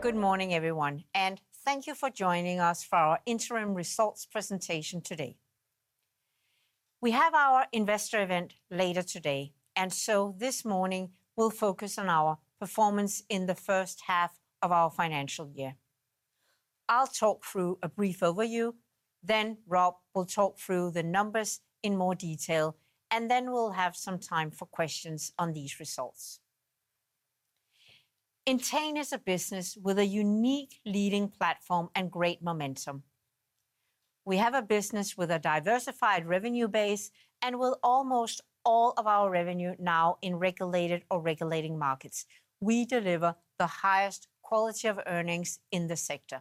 Good morning, everyone, and thank you for joining us for our interim results presentation today. We have our investor event later today, this morning we'll focus on our performance in the first half of our financial year. I'll talk through a brief overview, then Rob will talk through the numbers in more detail, then we'll have some time for questions on these results. Entain is a business with a unique leading platform and great momentum. We have a business with a diversified revenue base and with almost all of our revenue now in regulated or regulating markets. We deliver the highest quality of earnings in the sector.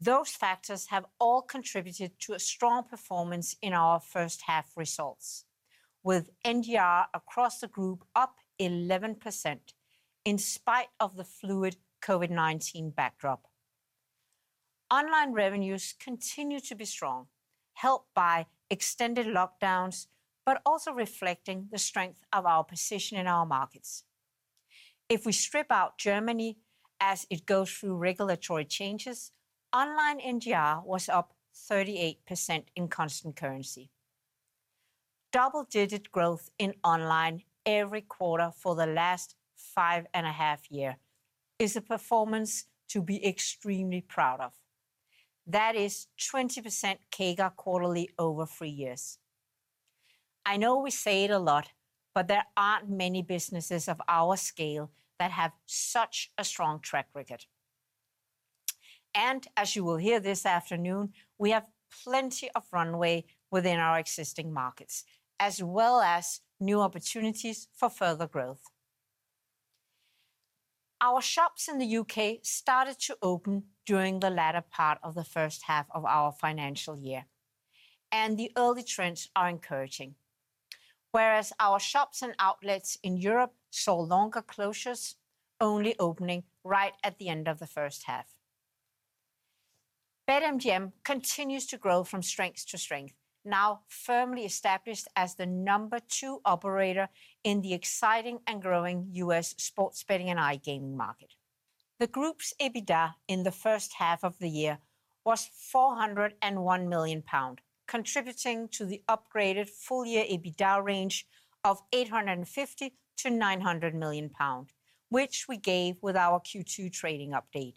Those factors have all contributed to a strong performance in our first half results, with NGR across the group up 11%, in spite of the fluid COVID-19 backdrop. Online revenues continue to be strong, helped by extended lockdowns, but also reflecting the strength of our position in our markets. If we strip out Germany as it goes through regulatory changes, online NGR was up 38% in constant currency. Double-digit growth in online every quarter for the last five and a half year is a performance to be extremely proud of. That is 20% CAGR quarterly over three years. I know we say a lot but there aren't many businesses of our scale that have such a strong track record. As you will hear this afternoon, we have plenty of runway within our existing markets, as well as new opportunities for further growth. Our shops in the U.K. started to open during the latter part of the first half of our financial year. The early trends are encouraging. Our shops and outlets in Europe saw longer closures, only opening right at the end of the first half. BetMGM continues to grow from strength to strength, now firmly established as the number two operator in the exciting and growing U.S. sports betting and iGaming market. The Group's EBITDA in the first half of the year was 401 million pound, contributing to the upgraded full-year EBITDA range of 850 million-900 million pound, which we gave with our Q2 trading update.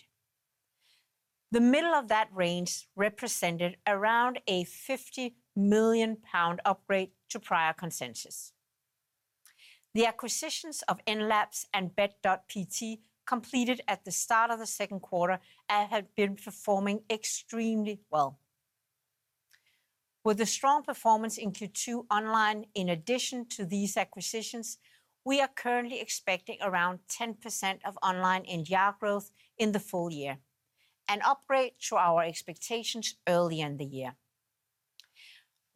The middle of that range represented around a 50 million pound upgrade to prior consensus. The acquisitions of Enlabs and Bet.pt completed at the start of the second quarter and have been performing extremely well. With the strong performance in Q2 online, in addition to these acquisitions, we are currently expecting around 10% of online NGR growth in the full year, an upgrade to our expectations early in the year.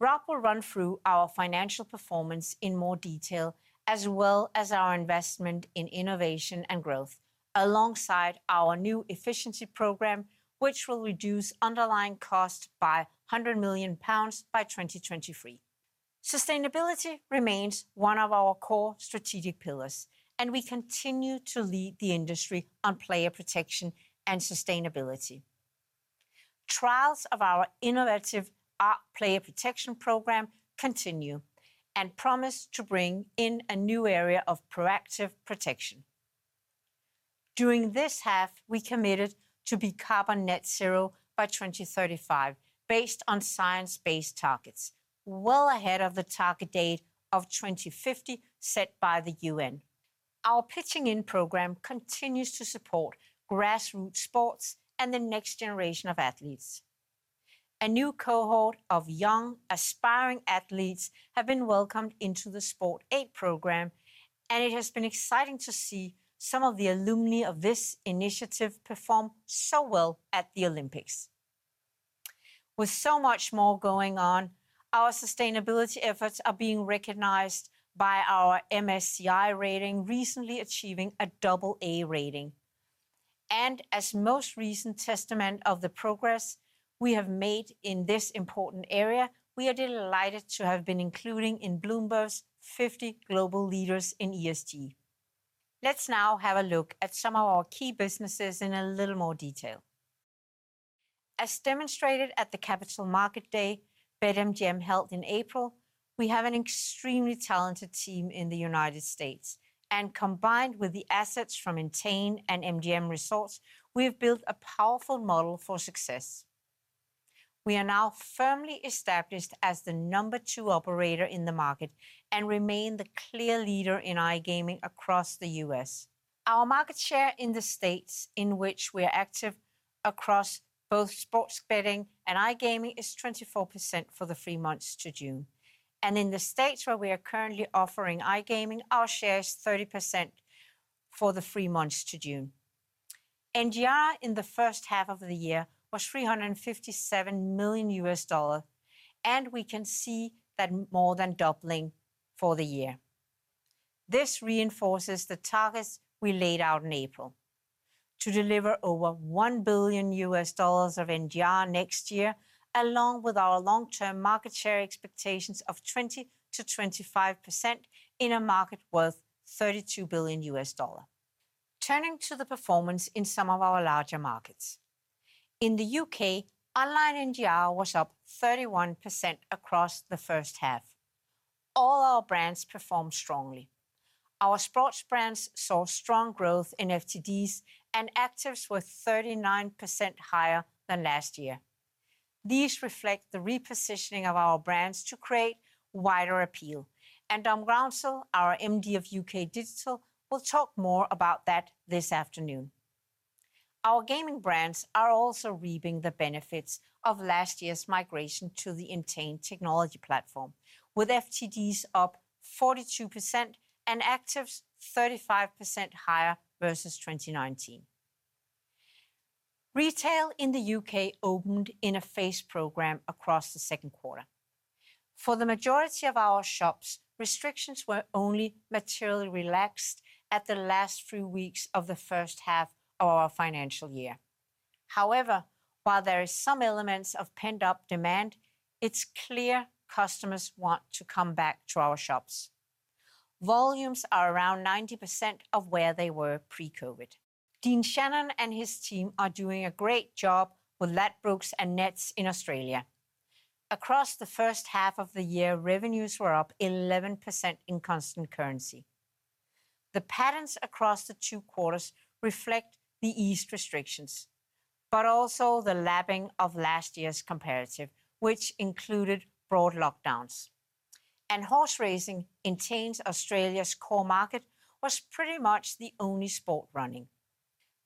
Rob will run through our financial performance in more detail as well as our investment in innovation and growth, alongside our new efficiency program, which will reduce underlying costs by 100 million pounds by 2023. Sustainability remains one of our core strategic pillars, and we continue to lead the industry on player protection and sustainability. Trials of our innovative player protection program continue and promise to bring in a new area of proactive protection. During this half, we committed to be carbon net zero by 2035 based on science-based targets, well ahead of the target date of 2050 set by the UN. Our Pitching In program continues to support grassroots sports and the next generation of athletes. A new cohort of young aspiring athletes have been welcomed into the SportsAid program. It has been exciting to see some of the alumni of this initiative perform so well at the Olympics. With so much more going on, our sustainability efforts are being recognized by our MSCI rating recently achieving a double A rating. As most recent testament of the progress we have made in this important area, we are delighted to have been included in Bloomberg's 50 global leaders in ESG. Let's now have a look at some of our key businesses in a little more detail. As demonstrated at the Capital Markets Day BetMGM held in April, we have an extremely talented team in the United States. Combined with the assets from Entain and MGM Resorts, we have built a powerful model for success. We are now firmly established as the number two operator in the market and remain the clear leader in iGaming across the U.S. Our market share in the States in which we are active across both sports betting and iGaming is 24% for the three months to June. In the states where we are currently offering iGaming, our share is 30% for the three months to June. NGR in the first half of the year was $357 million, and we can see that more than doubling for the year. This reinforces the targets we laid out in April to deliver over $1 billion of NGR next year, along with our long-term market share expectations of 20%-25% in a market worth $32 billion. Turning to the performance in some of our larger markets. In the U.K., online NGR was up 31% across the first half. All our brands performed strongly. Our sports brands saw strong growth in FTDs, and actives were 39% higher than last year. These reflect the repositioning of our brands to create wider appeal. Dom Grounsell, our MD of U.K. Digital, will talk more about that this afternoon. Our gaming brands are also reaping the benefits of last year's migration to the Entain technology platform, with FTDs up 42% and actives 35% higher versus 2019. Retail in the U.K. opened in a phased program across the second quarter. For the majority of our shops, restrictions were only materially relaxed at the last few weeks of the first half of our financial year. However, while there is some elements of pent-up demand, it's clear customers want to come back to our shops. Volumes are around 90% of where they were pre-COVID-19. Dean Shannon and his team are doing a great job with Ladbrokes and Neds in Australia. Across the first half of the year, revenues were up 11% in constant currency. The patterns across the two quarters reflect the eased restrictions, but also the lapping of last year's comparative, which included broad lockdowns. Horse racing, Entain's Australia's core market, was pretty much the only sport running.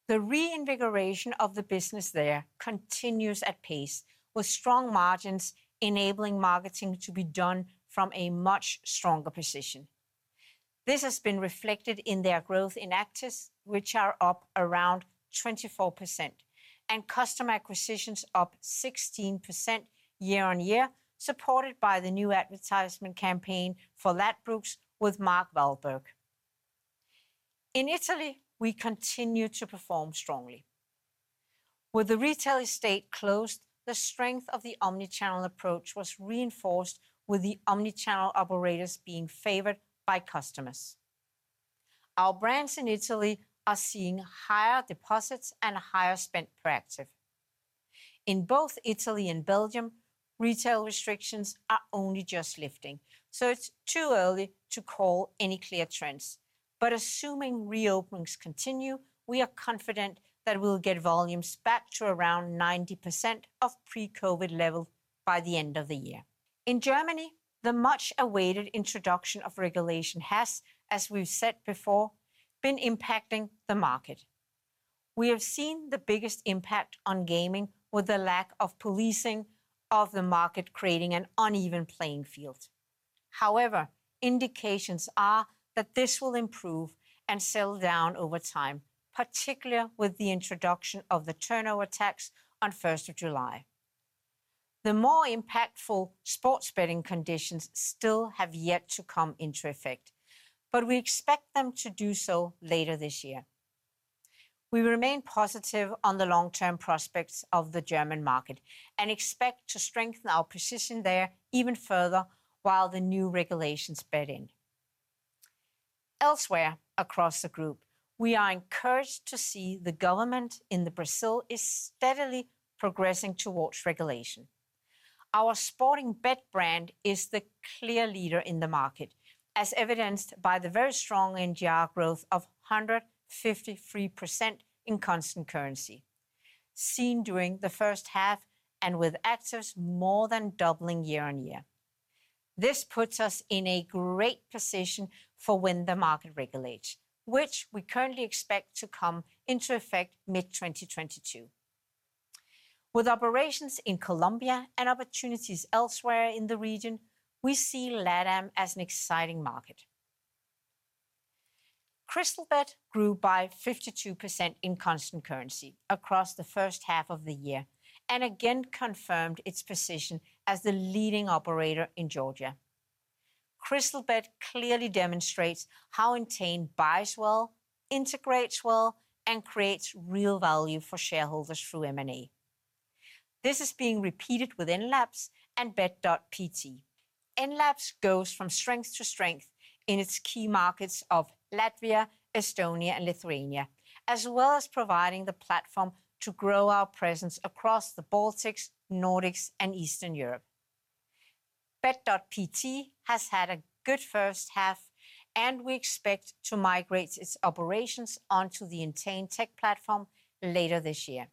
The reinvigoration of the business there continues at pace, with strong margins enabling marketing to be done from a much stronger position. This has been reflected in their growth in actives, which are up around 24%, and customer acquisitions up 16% year-on-year, supported by the new advertisement campaign for Ladbrokes with Mark Wahlberg. In Italy, we continue to perform strongly. With the retail estate closed, the strength of the omnichannel approach was reinforced with the omnichannel operators being favored by customers. Our brands in Italy are seeing higher deposits and higher spend per active. In both Italy and Belgium, retail restrictions are only just lifting, so it's too early to call any clear trends. Assuming reopenings continue, we are confident that we'll get volumes back to around 90% of pre-COVID-19 level by the end of the year. In Germany, the much-awaited introduction of regulation has, as we've said before, been impacting the market. We have seen the biggest impact on gaming with the lack of policing of the market creating an uneven playing field. However, indications are that this will improve and settle down over time, particularly with the introduction of the turnover tax on 1st of July. The more impactful sports betting conditions still have yet to come into effect, but we expect them to do so later this year. We remain positive on the long-term prospects of the German market and expect to strengthen our position there even further while the new regulations bed in. Elsewhere across the group, we are encouraged to see the government in the Brazil is steadily progressing towards regulation. Our Sportingbet brand is the clear leader in the market, as evidenced by the very strong NGR growth of 153% in constant currency seen during the first half and with actives more than doubling year-on-year. This puts us in a great position for when the market regulates, which we currently expect to come into effect mid-2022. With operations in Colombia and opportunities elsewhere in the region, we see LATAM as an exciting market. Crystalbet grew by 52% in constant currency across the first half of the year, and again confirmed its position as the leading operator in Georgia. Crystalbet clearly demonstrates how Entain buys well, integrates well, and creates real value for shareholders through M&A. This is being repeated with Enlabs and Bet.pt. Enlabs goes from strength to strength in its key markets of Latvia, Estonia, and Lithuania, as well as providing the platform to grow our presence across the Baltics, Nordics, and Eastern Europe. Bet.pt has had a good first half, and we expect to migrate its operations onto the Entain tech platform later this year.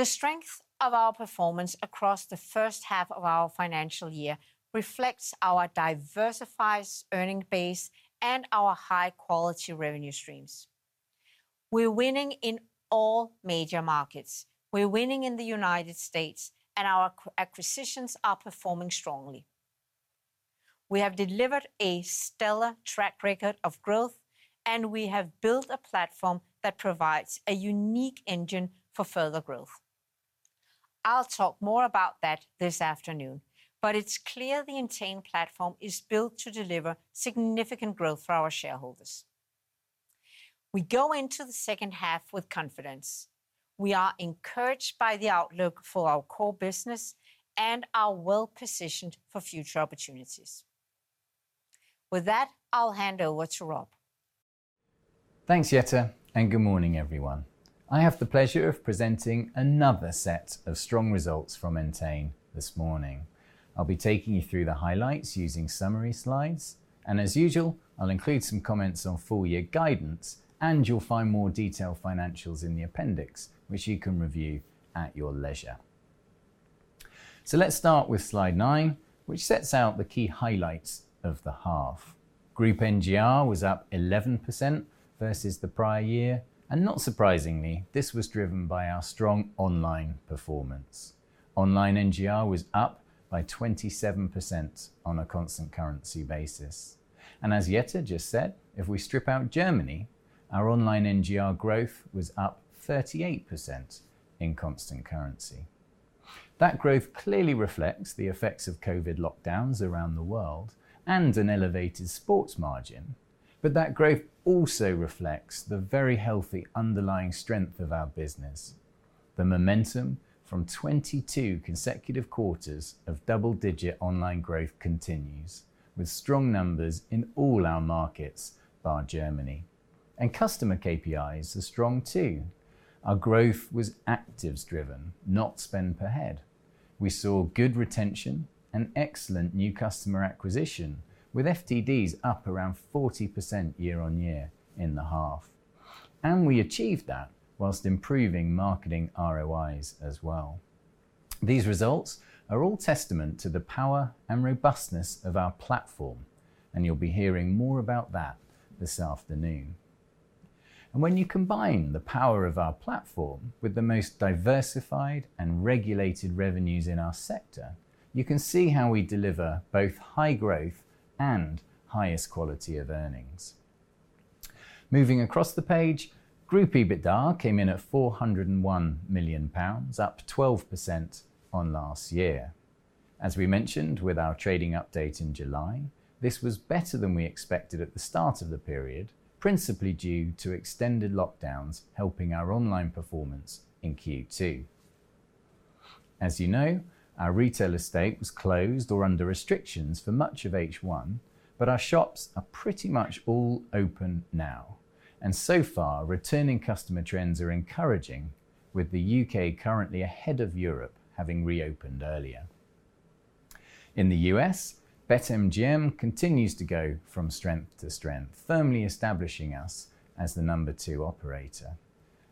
The strength of our performance across the first half of our financial year reflects our diversified earning base and our high-quality revenue streams. We're winning in all major markets. We're winning in the United States, and our acquisitions are performing strongly. We have delivered a stellar track record of growth, and we have built a platform that provides a unique engine for further growth. I'll talk more about that this afternoon, but it's clear the Entain platform is built to deliver significant growth for our shareholders. We go into the second half with confidence. We are encouraged by the outlook for our core business and are well-positioned for future opportunities. With that, I'll hand over to Rob. Thanks, Jette, good morning, everyone. I have the pleasure of presenting another set of strong results from Entain this morning. I'll be taking you through the highlights using summary slides, and as usual, I'll include some comments on full-year guidance, and you'll find more detailed financials in the appendix, which you can review at your leisure. Let's start with slide nine, which sets out the key highlights of the half. Group NGR was up 11% versus the prior year, and not surprisingly, this was driven by our strong online performance. Online NGR was up by 27% on a constant currency basis. As Jette just said, if we strip out Germany, our online NGR growth was up 38% in constant currency. That growth clearly reflects the effects of COVID lockdowns around the world and an elevated sports margin. That growth also reflects the very healthy underlying strength of our business. The momentum from 22 consecutive quarters of double-digit online growth continues, with strong numbers in all our markets, bar Germany. Customer KPIs are strong too. Our growth was actives driven, not spend per head. We saw good retention and excellent new customer acquisition, with FTDs up around 40% year-on-year in the half. We achieved that whilst improving marketing ROIs as well. These results are all testament to the power and robustness of our platform, you'll be hearing more about that this afternoon. When you combine the power of our platform with the most diversified and regulated revenues in our sector, you can see how we deliver both high growth and highest quality of earnings. Moving across the page, group EBITDA came in at 401 million pounds, up 12% on last year. As we mentioned with our trading update in July, this was better than we expected at the start of the period, principally due to extended lockdowns helping our online performance in Q2. As you know, our retail estate was closed or under restrictions for much of H1, but our shops are pretty much all open now, and so far, returning customer trends are encouraging with the U.K. currently ahead of Europe, having reopened earlier. In the U.S., BetMGM continues to go from strength to strength, firmly establishing us as the number two operator.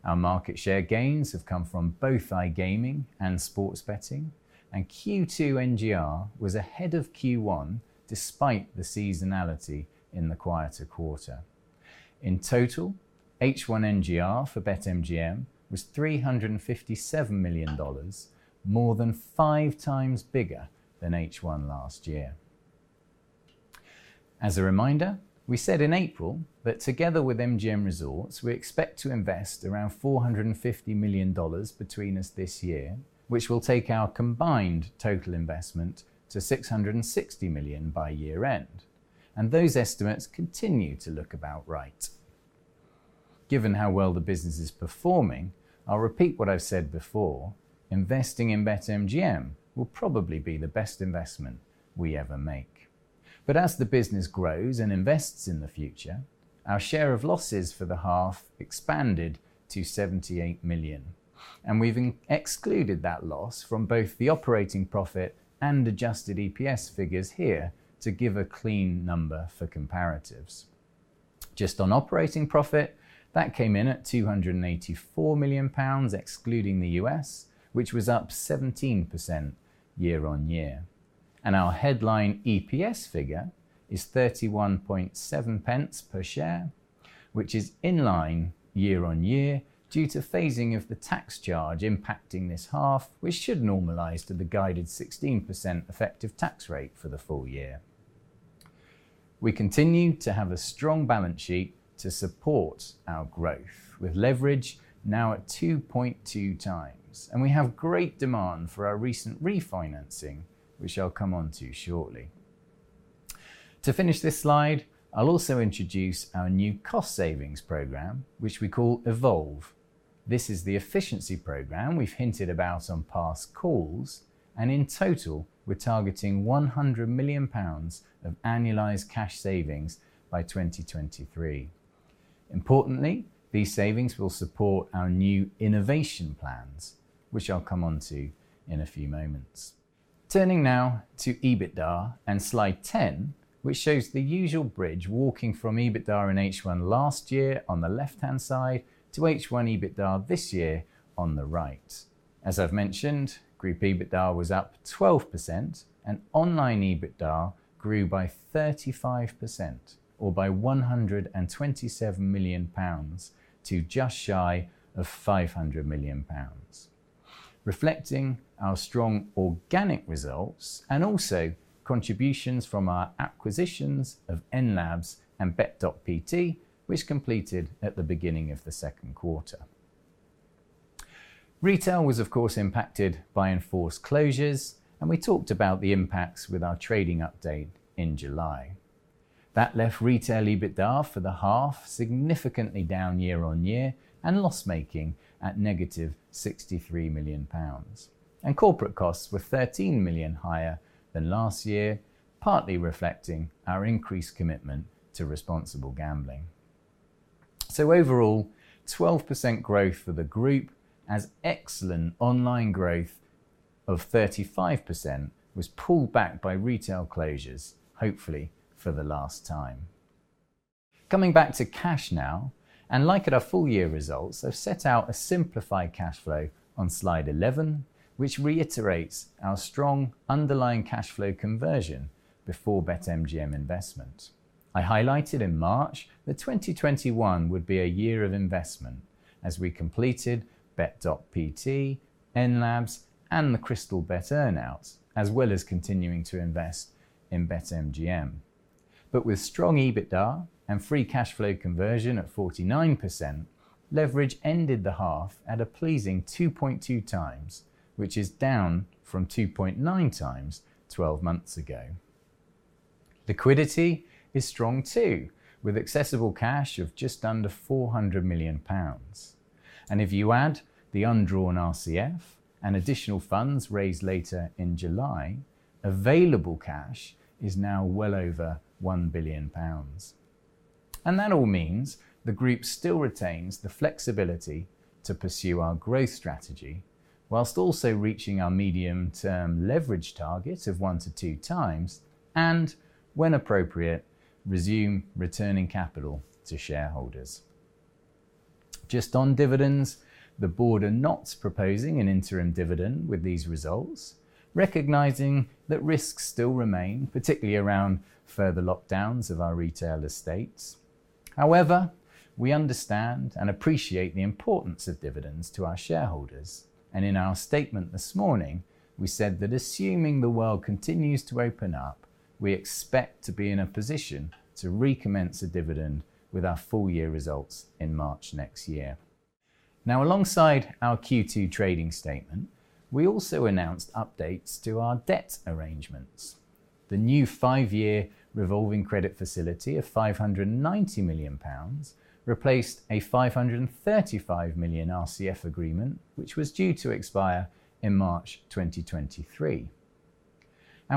Our market share gains have come from both iGaming and sports betting, and Q2 NGR was ahead of Q1 despite the seasonality in the quieter quarter. In total, H1 NGR for BetMGM was $357 million, more than 5 times bigger than H1 last year. As a reminder, we said in April that together with MGM Resorts, we expect to invest around $450 million between us this year, which will take our combined total investment to $660 million by year-end. Those estimates continue to look about right. Given how well the business is performing, I'll repeat what I've said before, investing in BetMGM will probably be the best investment we ever make. As the business grows and invests in the future, our share of losses for the half expanded to $78 million, and we've excluded that loss from both the operating profit and adjusted EPS figures here to give a clean number for comparatives. Just on operating profit, that came in at 284 million pounds, excluding the U.S., which was up 17% year-on-year. Our headline EPS figure is 0.317 per share, which is in line year-on-year due to phasing of the tax charge impacting this half, which should normalize to the guided 16% effective tax rate for the full year. We continue to have a strong balance sheet to support our growth, with leverage now at 2.2 times, and we have great demand for our recent refinancing, which I'll come onto shortly. To finish this slide, I'll also introduce our new cost savings program, which we call Evolve. This is the efficiency program we've hinted about on past calls, and in total, we're targeting 100 million pounds of annualized cash savings by 2023. Importantly, these savings will support our new innovation plans, which I'll come onto in a few moments. Turning now to EBITDA and slide 10, which shows the usual bridge walking from EBITDA in H1 last year on the left-hand side to H1 EBITDA this year on the right. As I've mentioned, group EBITDA was up 12%, and online EBITDA grew by 35%, or by 127 million pounds to just shy of 500 million pounds, reflecting our strong organic results and also contributions from our acquisitions of Enlabs and Bet.pt, which completed at the beginning of the second quarter. Retail was of course impacted by enforced closures, and we talked about the impacts with our trading update in July. That left retail EBITDA for the half significantly down year-on-year and loss-making at negative 63 million pounds. Corporate costs were 13 million higher than last year, partly reflecting our increased commitment to responsible gambling. Overall, 12% growth for the group as excellent online growth of 35% was pulled back by retail closures, hopefully for the last time. Coming back to cash now, and like at our full year results, I've set out a simplified cash flow on slide 11, which reiterates our strong underlying cash flow conversion before BetMGM investment. I highlighted in March that 2021 would be a year of investment as we completed Bet.pt, Enlabs, and the Crystalbet earn-outs, as well as continuing to invest in BetMGM. With strong EBITDA and free cash flow conversion at 49%, leverage ended the half at a pleasing 2.2 times, which is down from 2.9 times 12 months ago. Liquidity is strong too, with accessible cash of just under 400 million pounds. If you add the undrawn RCF and additional funds raised later in July, available cash is now well over 1 billion pounds. That all means the group still retains the flexibility to pursue our growth strategy while also reaching our medium-term leverage target of 1-2 times and, when appropriate, resume returning capital to shareholders. Just on dividends, the board are not proposing an interim dividend with these results, recognizing that risks still remain, particularly around further lockdowns of our retail estates. However, we understand and appreciate the importance of dividends to our shareholders, and in our statement this morning, we said that assuming the world continues to open up, we expect to be in a position to recommence a dividend with our full-year results in March next year. Alongside our Q2 trading statement, we also announced updates to our debt arrangements. The new five-year revolving credit facility of 590 million pounds replaced a 535 million RCF agreement which was due to expire in March 2023.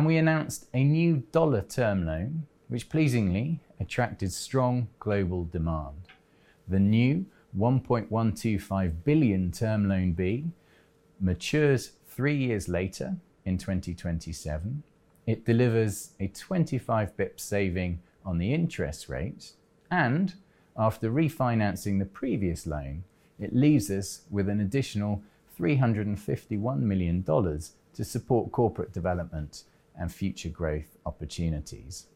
We announced a new US dollar term loan which pleasingly attracted strong global demand. The new $1.125 billion term loan B matures three years later in 2027. It delivers a 25 basis point saving on the interest rate and after refinancing the previous loan, it leaves us with an additional $351 million to support corporate development and future growth opportunities.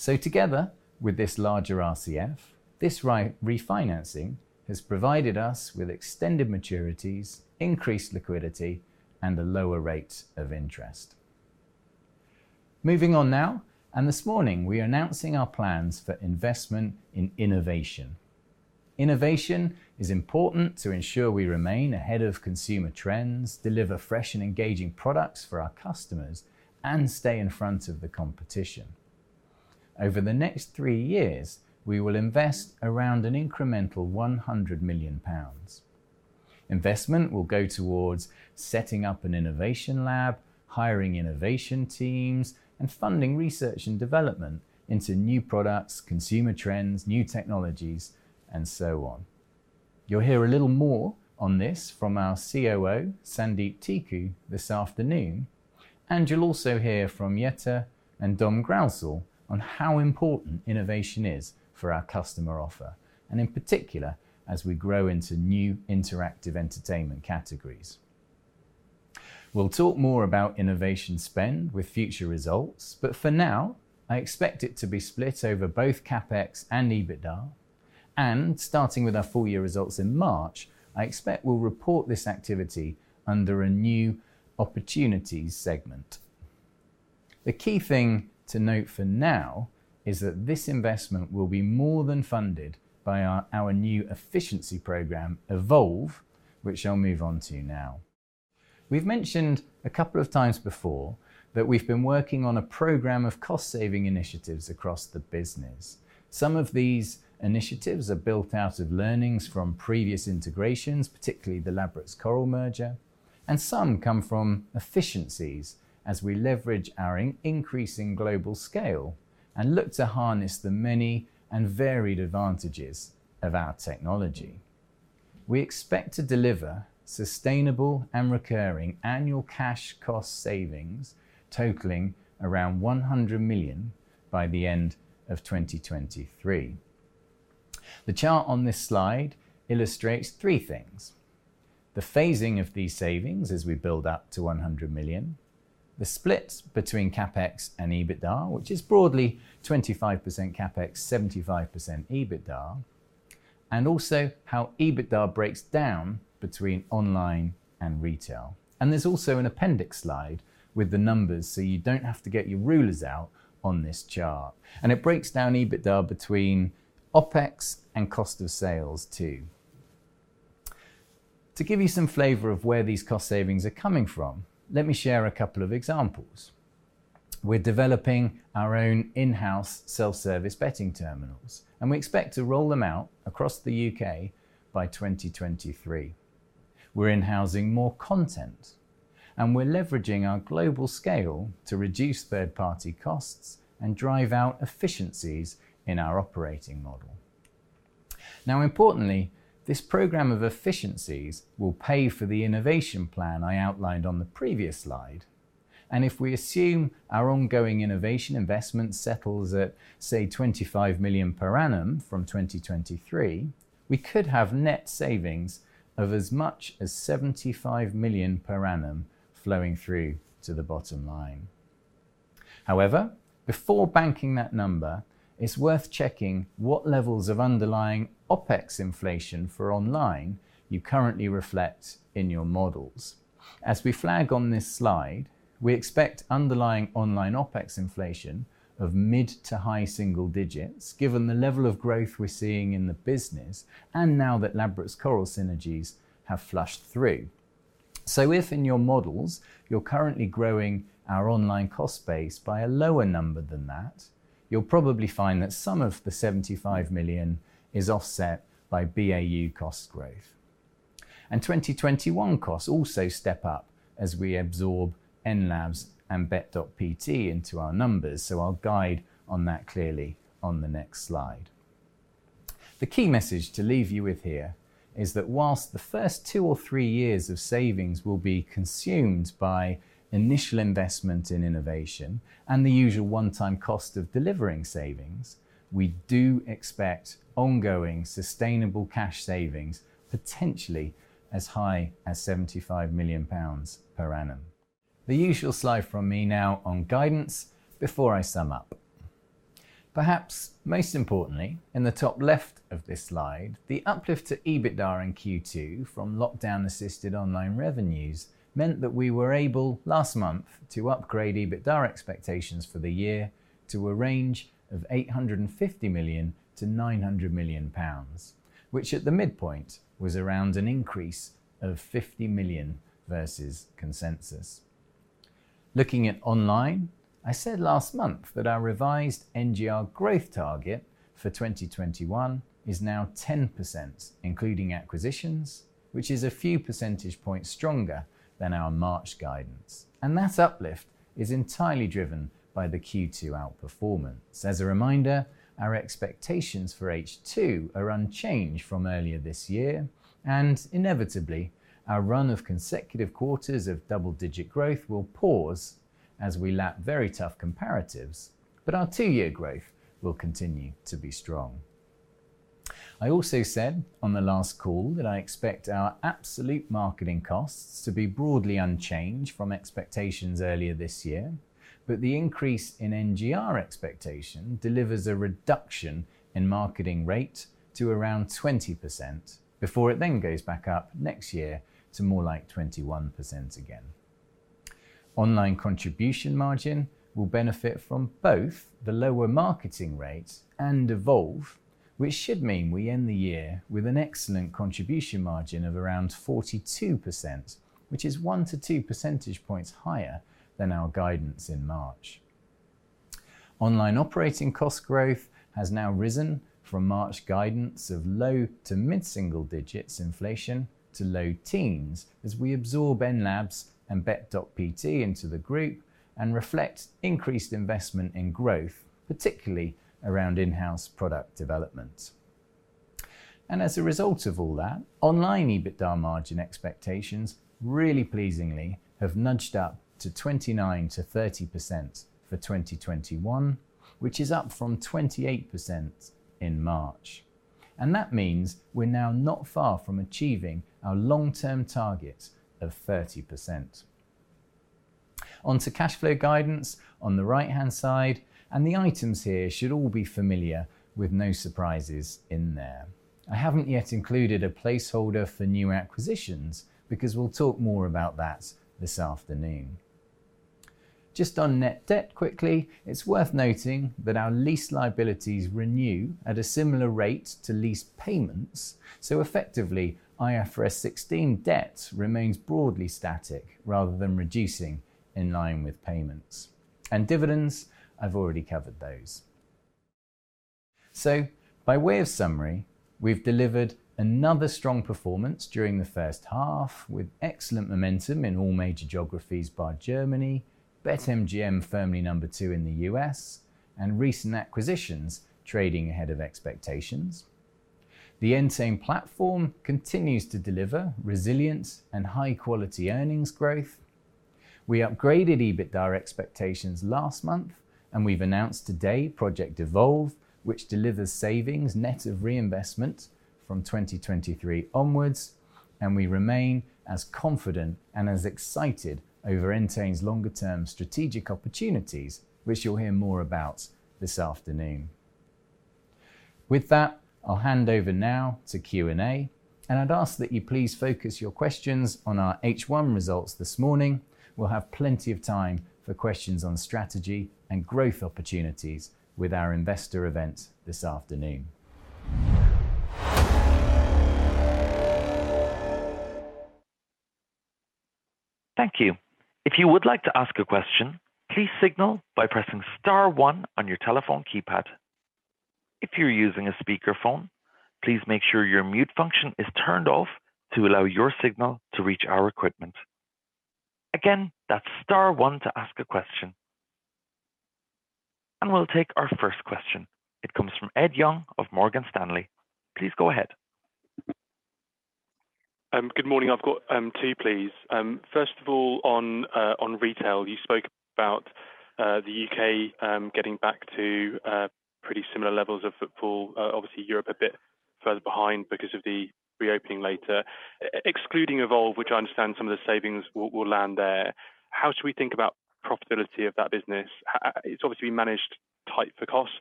Together with this larger RCF, this refinancing has provided us with extended maturities, increased liquidity, and a lower rate of interest. Moving on now, this morning, we are announcing our plans for investment in innovation. Innovation is important to ensure we remain ahead of consumer trends, deliver fresh and engaging products for our customers, and stay in front of the competition. Over the next three years, we will invest around an incremental 100 million pounds. Investment will go towards setting up an innovation lab, hiring innovation teams, and funding research and development into new products, consumer trends, new technologies, and so on. You'll hear a little more on this from our COO, Sandeep Tiku, this afternoon, and you'll also hear from Jette and Dom Grounsell on how important innovation is for our customer offer, and in particular, as we grow into new interactive entertainment categories. We'll talk more about innovation spend with future results, but for now, I expect it to be split over both CapEx and EBITDA. Starting with our full-year results in March, I expect we'll report this activity under a New Opportunities segment. The key thing to note for now is that this investment will be more than funded by our new efficiency program, Evolve, which I'll move on to now. We've mentioned a couple of times before that we've been working on a program of cost-saving initiatives across the business. Some of these initiatives are built out of learnings from previous integrations, particularly the Ladbrokes Coral merger, and some come from efficiencies as we leverage our increasing global scale and look to harness the many and varied advantages of our technology. We expect to deliver sustainable and recurring annual cash cost savings totaling around 100 million by the end of 2023. The chart on this slide illustrates three things, the phasing of these savings as we build up to 100 million, the split between CapEx and EBITDA, which is broadly 25% CapEx, 75% EBITDA, and also how EBITDA breaks down between online and retail. There's also an appendix slide with the numbers, so you don't have to get your rulers out on this chart. It breaks down EBITDA between OpEx and cost of sales too. To give you some flavor of where these cost savings are coming from, let me share a couple of examples. We're developing our own in-house self-service betting terminals, and we expect to roll them out across the U.K. by 2023. We're in-housing more content, we're leveraging our global scale to reduce third-party costs and drive out efficiencies in our operating model. Importantly, this program of efficiencies will pay for the innovation plan I outlined on the previous slide. If we assume our ongoing innovation investment settles at, say, 25 million per annum from 2023, we could have net savings of as much as 75 million per annum flowing through to the bottom line. However, before banking that number, it's worth checking what levels of underlying OpEx inflation for online you currently reflect in your models. As we flag on this slide, we expect underlying online OpEx inflation of mid to high single digits, given the level of growth we're seeing in the business, and now that Ladbrokes Coral synergies have flushed through. If in your models you're currently growing our online cost base by a lower number than that, you'll probably find that some of the 75 million is offset by BAU cost growth. 2021 costs also step up as we absorb Enlabs and Bet.pt into our numbers. I'll guide on that clearly on the next slide. The key message to leave you with here is that whilst the first two or three years of savings will be consumed by initial investment in innovation and the usual one-time cost of delivering savings, we do expect ongoing sustainable cash savings, potentially as high as 75 million pounds per annum. The usual slide from me now on guidance before I sum up. Perhaps most importantly, in the top left of this slide, the uplift to EBITDA in Q2 from lockdown-assisted online revenues meant that we were able, last month, to upgrade EBITDA expectations for the year to a range of 850 million-900 million pounds, which at the midpoint was around an increase of 50 million versus consensus. Looking at online, I said last month that our revised NGR growth target for 2021 is now 10%, including acquisitions, which is a few percentage points stronger than our March guidance, and that uplift is entirely driven by the Q2 outperformance. As a reminder, our expectations for H2 are unchanged from earlier this year, and inevitably, our run of consecutive quarters of double-digit growth will pause as we lap very tough comparatives, but our two-year growth will continue to be strong. I also said on the last call that I expect our absolute marketing costs to be broadly unchanged from expectations earlier this year, but the increase in NGR expectation delivers a reduction in marketing rate to around 20% before it then goes back up next year to more like 21% again. Online contribution margin will benefit from both the lower marketing rate and Evolve, which should mean we end the year with an excellent contribution margin of around 42%, which is 1-2 percentage points higher than our guidance in March. Online operating cost growth has now risen from March guidance of low to mid-single digits inflation to low teens as we absorb Enlabs and Bet.pt into the group and reflect increased investment in growth, particularly around in-house product development. As a result of all that, Online EBITDA margin expectations, really pleasingly, have nudged up to 29%-30% for 2021, which is up from 28% in March. That means we're now not far from achieving our long-term target of 30%. On to cash flow guidance on the right-hand side, the items here should all be familiar with no surprises in there. I haven't yet included a placeholder for new acquisitions because we'll talk more about that this afternoon. Just on net debt quickly, it's worth noting that our lease liabilities renew at a similar rate to lease payments, so effectively, IFRS 16 debt remains broadly static rather than reducing in line with payments. Dividends, I've already covered those. By way of summary, we've delivered another strong performance during the first half, with excellent momentum in all major geographies bar Germany, BetMGM firmly number two in the U.S., and recent acquisitions trading ahead of expectations. The Entain platform continues to deliver resilience and high-quality earnings growth. We upgraded EBITDA expectations last month. We've announced today Project Evolve, which delivers savings net of reinvestment from 2023 onwards. We remain as confident and as excited over Entain's longer-term strategic opportunities, which you'll hear more about this afternoon. With that, I will hand over now to Q&A, and I would ask that you please focus your questions on our H1 results this morning. We will have plenty of time for questions on strategy and growth opportunities with our investor event this afternoon. Thank you. If you would like to ask a question, please signal by pressing star one on your telephone keypad. If you're using a speakerphone, please make sure your mute function is turned off to allow your signal to reach our equipment. Again, that's star one to ask a question. We'll take our first question. It comes from Ed Young of Morgan Stanley. Please go ahead. Good morning. I've got two, please. First of all, on retail, you spoke about the U.K. getting back to pretty similar levels of footfall. Obviously, Europe a bit further behind because of the reopening later. Excluding Evolve, which I understand some of the savings will land there, how should we think about profitability of that business? It's obviously managed tight for cost.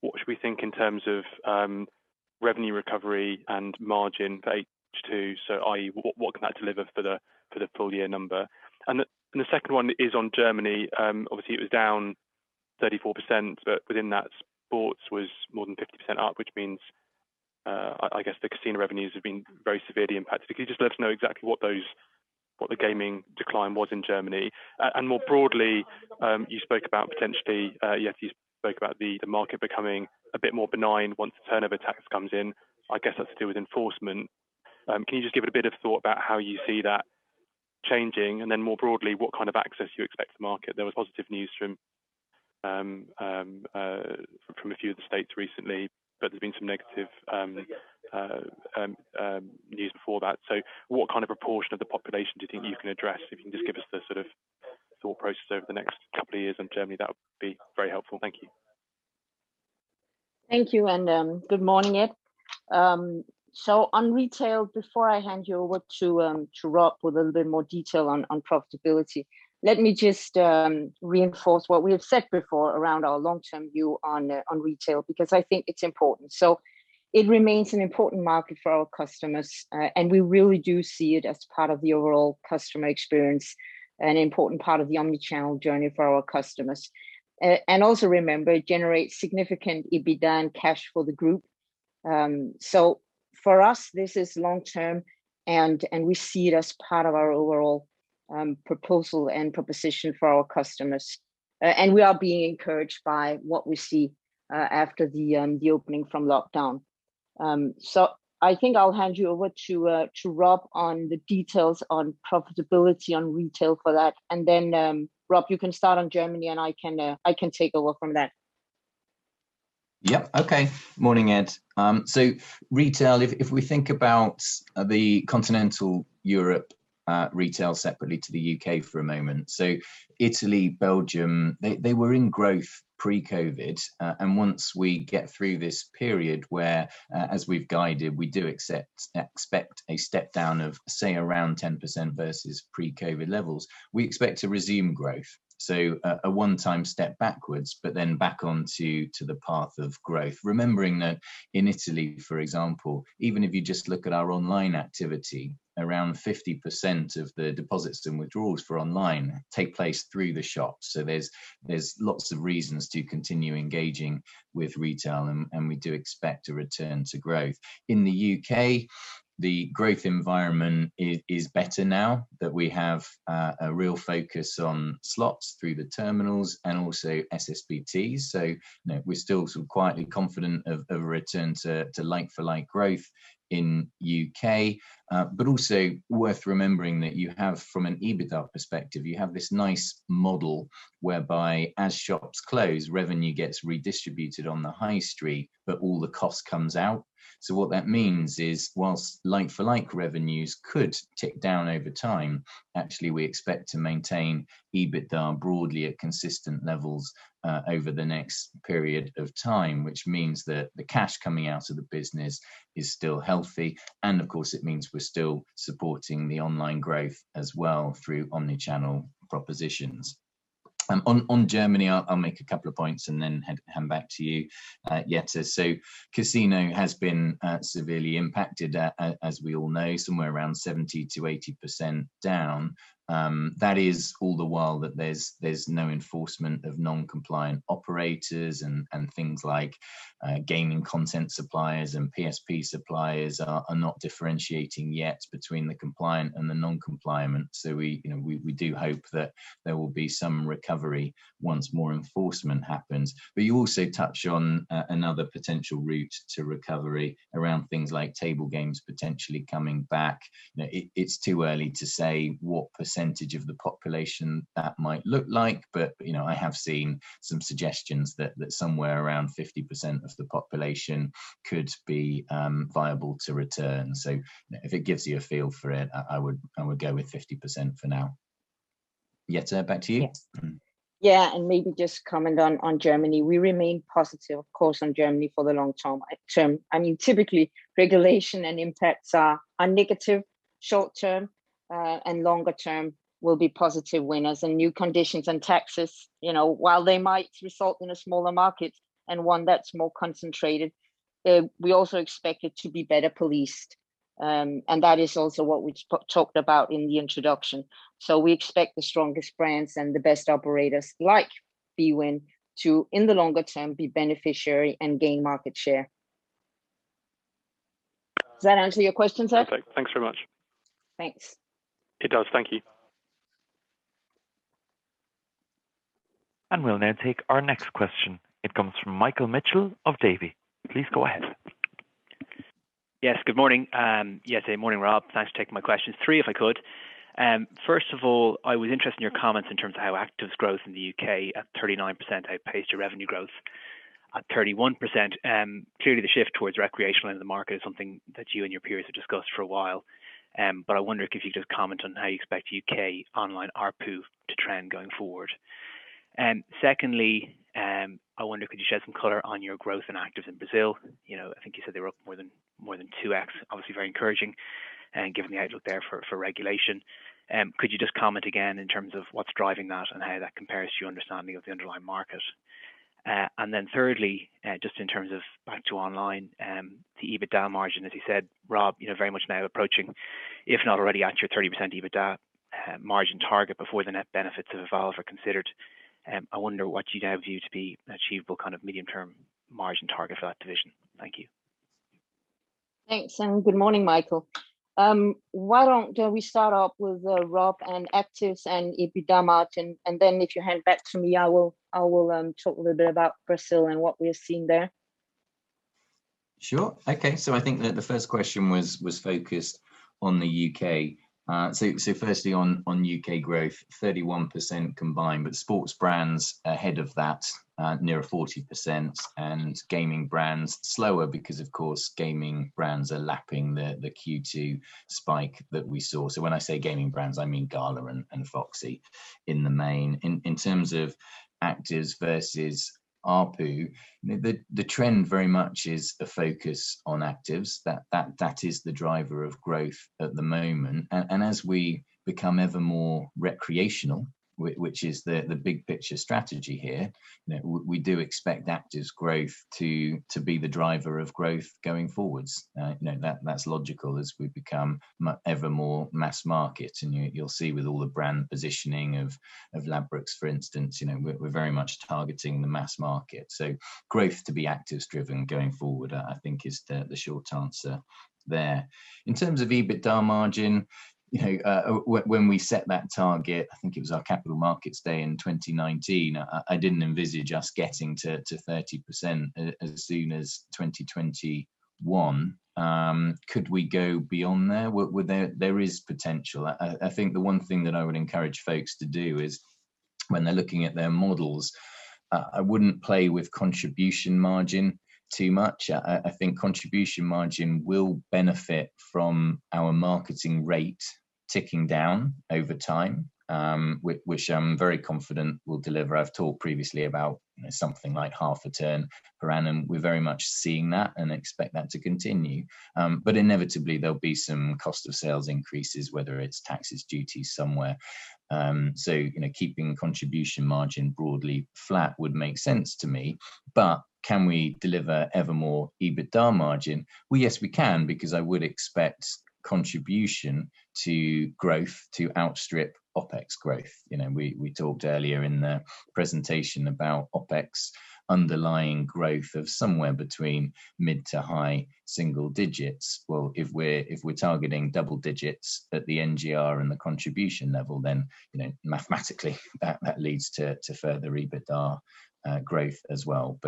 What should we think in terms of revenue recovery and margin for H2? I.e., what can that deliver for the full year number? The second one is on Germany. Obviously, it was down 34%, but within that, sports was more than 50% up, which means, I guess the casino revenues have been very severely impacted. Can you just let us know exactly what the gaming decline was in Germany? More broadly, you spoke about the market becoming a bit more benign once the turnover tax comes in. I guess that's to do with enforcement. Can you just give it a bit of thought about how you see that changing, and then more broadly, what kind of access you expect to market? There was positive news from a few of the states recently, but there's been some negative news before that. What kind of proportion of the population do you think you can address? If you can just give us the sort of thought process over the next couple of years in Germany, that would be very helpful. Thank you. Thank you and good morning, Ed. On retail, before I hand you over to Rob with a little bit more detail on profitability, let me just reinforce what we have said before around our long-term view on retail, because I think it's important. It remains an important market for our customers, and we really do see it as part of the overall customer experience, an important part of the omnichannel journey for our customers. Also remember, it generates significant EBITDA and cash for the group. For us, this is long term and we see it as part of our overall proposal and proposition for our customers. We are being encouraged by what we see after the opening from lockdown. I think I'll hand you over to Rob on the details on profitability on retail for that. Rob, you can start on Germany and I can take over from there. Yep, okay. Morning, Ed. Retail, if we think about the continental Europe retail separately to the U.K. for a moment. Italy, Belgium, they were in growth pre-COVID. Once we get through this period where, as we've guided, we do expect a step down of, say, around 10% versus pre-COVID levels. We expect to resume growth. A one-time step backwards, but then back onto the path of growth. Remembering that in Italy, for example, even if you just look at our online activity, around 50% of the deposits and withdrawals for online take place through the shop. There's lots of reasons to continue engaging with retail, and we do expect a return to growth. In the U.K., the growth environment is better now that we have a real focus on slots through the terminals and also SSBTs. We're still quietly confident of a return to like for like growth in U.K. Also worth remembering that you have, from an EBITDA perspective, you have this nice model whereby as shops close, revenue gets redistributed on the high street, but all the cost comes out. What that means is whilst like for like revenues could tick down over time, actually, we expect to maintain EBITDA broadly at consistent levels over the next period of time, which means that the cash coming out of the business is still healthy. Of course, it means we're still supporting the online growth as well through omnichannel propositions. On Germany, I'll make a couple of points and then hand back to you, Jette. Casino has been severely impacted, as we all know, somewhere around 70%-80% down. That is all the while that there's no enforcement of non-compliant operators and things like gaming content suppliers and PSP suppliers are not differentiating yet between the compliant and the non-compliant. We do hope that there will be some recovery once more enforcement happens. You also touch on another potential route to recovery around things like table games potentially coming back. It's too early to say what percentage of the population that might look like, but I have seen some suggestions that somewhere around 50% of the population could be viable to return. If it gives you a feel for it, I would go with 50% for now. Jette, back to you. Yeah. Maybe just comment on Germany. We remain positive, of course, on Germany for the long term. Typically, regulation and impacts are negative short term and longer term will be positive winners and new conditions and taxes, while they might result in a smaller market and one that's more concentrated, we also expect it to be better policed. That is also what we talked about in the introduction. We expect the strongest brands and the best operators like bwin to, in the longer term, be beneficiary and gain market share. Does that answer your question, Ed? Perfect. Thanks very much. Thanks. It does. Thank you. We'll now take our next question. It comes from Michael Mitchell of Davy. Please go ahead. Yes, good morning. Yes, good morning, Rob. Thanks for taking my questions. Three, if I could. First of all, I was interested in your comments in terms of how actives growth in the U.K. at 39% outpaced your revenue growth at 31%. Clearly, the shift towards recreational in the market is something that you and your peers have discussed for a while. I wonder if you could just comment on how you expect U.K. online ARPU to trend going forward. Secondly, I wonder, could you shed some color on your growth in actives in Brazil? I think you said they were up more than 2x, obviously very encouraging, given the outlook there for regulation. Could you just comment again in terms of what's driving that and how that compares to your understanding of the underlying market? Thirdly, just in terms of back to online, the EBITDA margin, as you said, Rob, very much now approaching, if not already at your 30% EBITDA margin target before the net benefits of Evolve are considered. I wonder what you now view to be achievable medium-term margin target for that division. Thank you. Thanks, good morning, Michael. Why don't we start off with Rob on actives and EBITDA margin, and then if you hand back to me, I will talk a little bit about Brazil and what we are seeing there. Sure, okay. I think that the first question was focused on the U.K. Firstly on U.K. growth, 31% combined, but sports brands ahead of that, near a 40%, and gaming brands slower because, of course, gaming brands are lapping the Q2 spike that we saw. When I say gaming brands, I mean Gala and Foxy in the main. In terms of actives versus ARPU, the trend very much is a focus on actives. That is the driver of growth at the moment. As we become ever more recreational, which is the big picture strategy here, we do expect actives growth to be the driver of growth going forwards. That's logical as we become ever more mass market, you'll see with all the brand positioning of Ladbrokes, for instance, we're very much targeting the mass market. Growth to be actives driven going forward, I think is the short answer there. In terms of EBITDA margin, when we set that target, I think it was our Capital Markets Day in 2019, I didn't envisage us getting to 30% as soon as 2021. Could we go beyond there? There is potential. I think the one thing that I would encourage folks to do is when they're looking at their models, I wouldn't play with contribution margin too much. I think contribution margin will benefit from our marketing rate ticking down over time, which I'm very confident we'll deliver. I've talked previously about something like half a turn per annum. We're very much seeing that and expect that to continue. Inevitably, there'll be some cost of sales increases, whether it's taxes, duties somewhere. Keeping contribution margin broadly flat would make sense to me. Can we deliver ever more EBITDA margin? Yes, we can because I would expect contribution to growth to outstrip OpEx growth. We talked earlier in the presentation about OpEx underlying growth of somewhere between mid to high single digits. If we're targeting double digits at the NGR and the contribution level, then mathematically that leads to further EBITDA growth as well.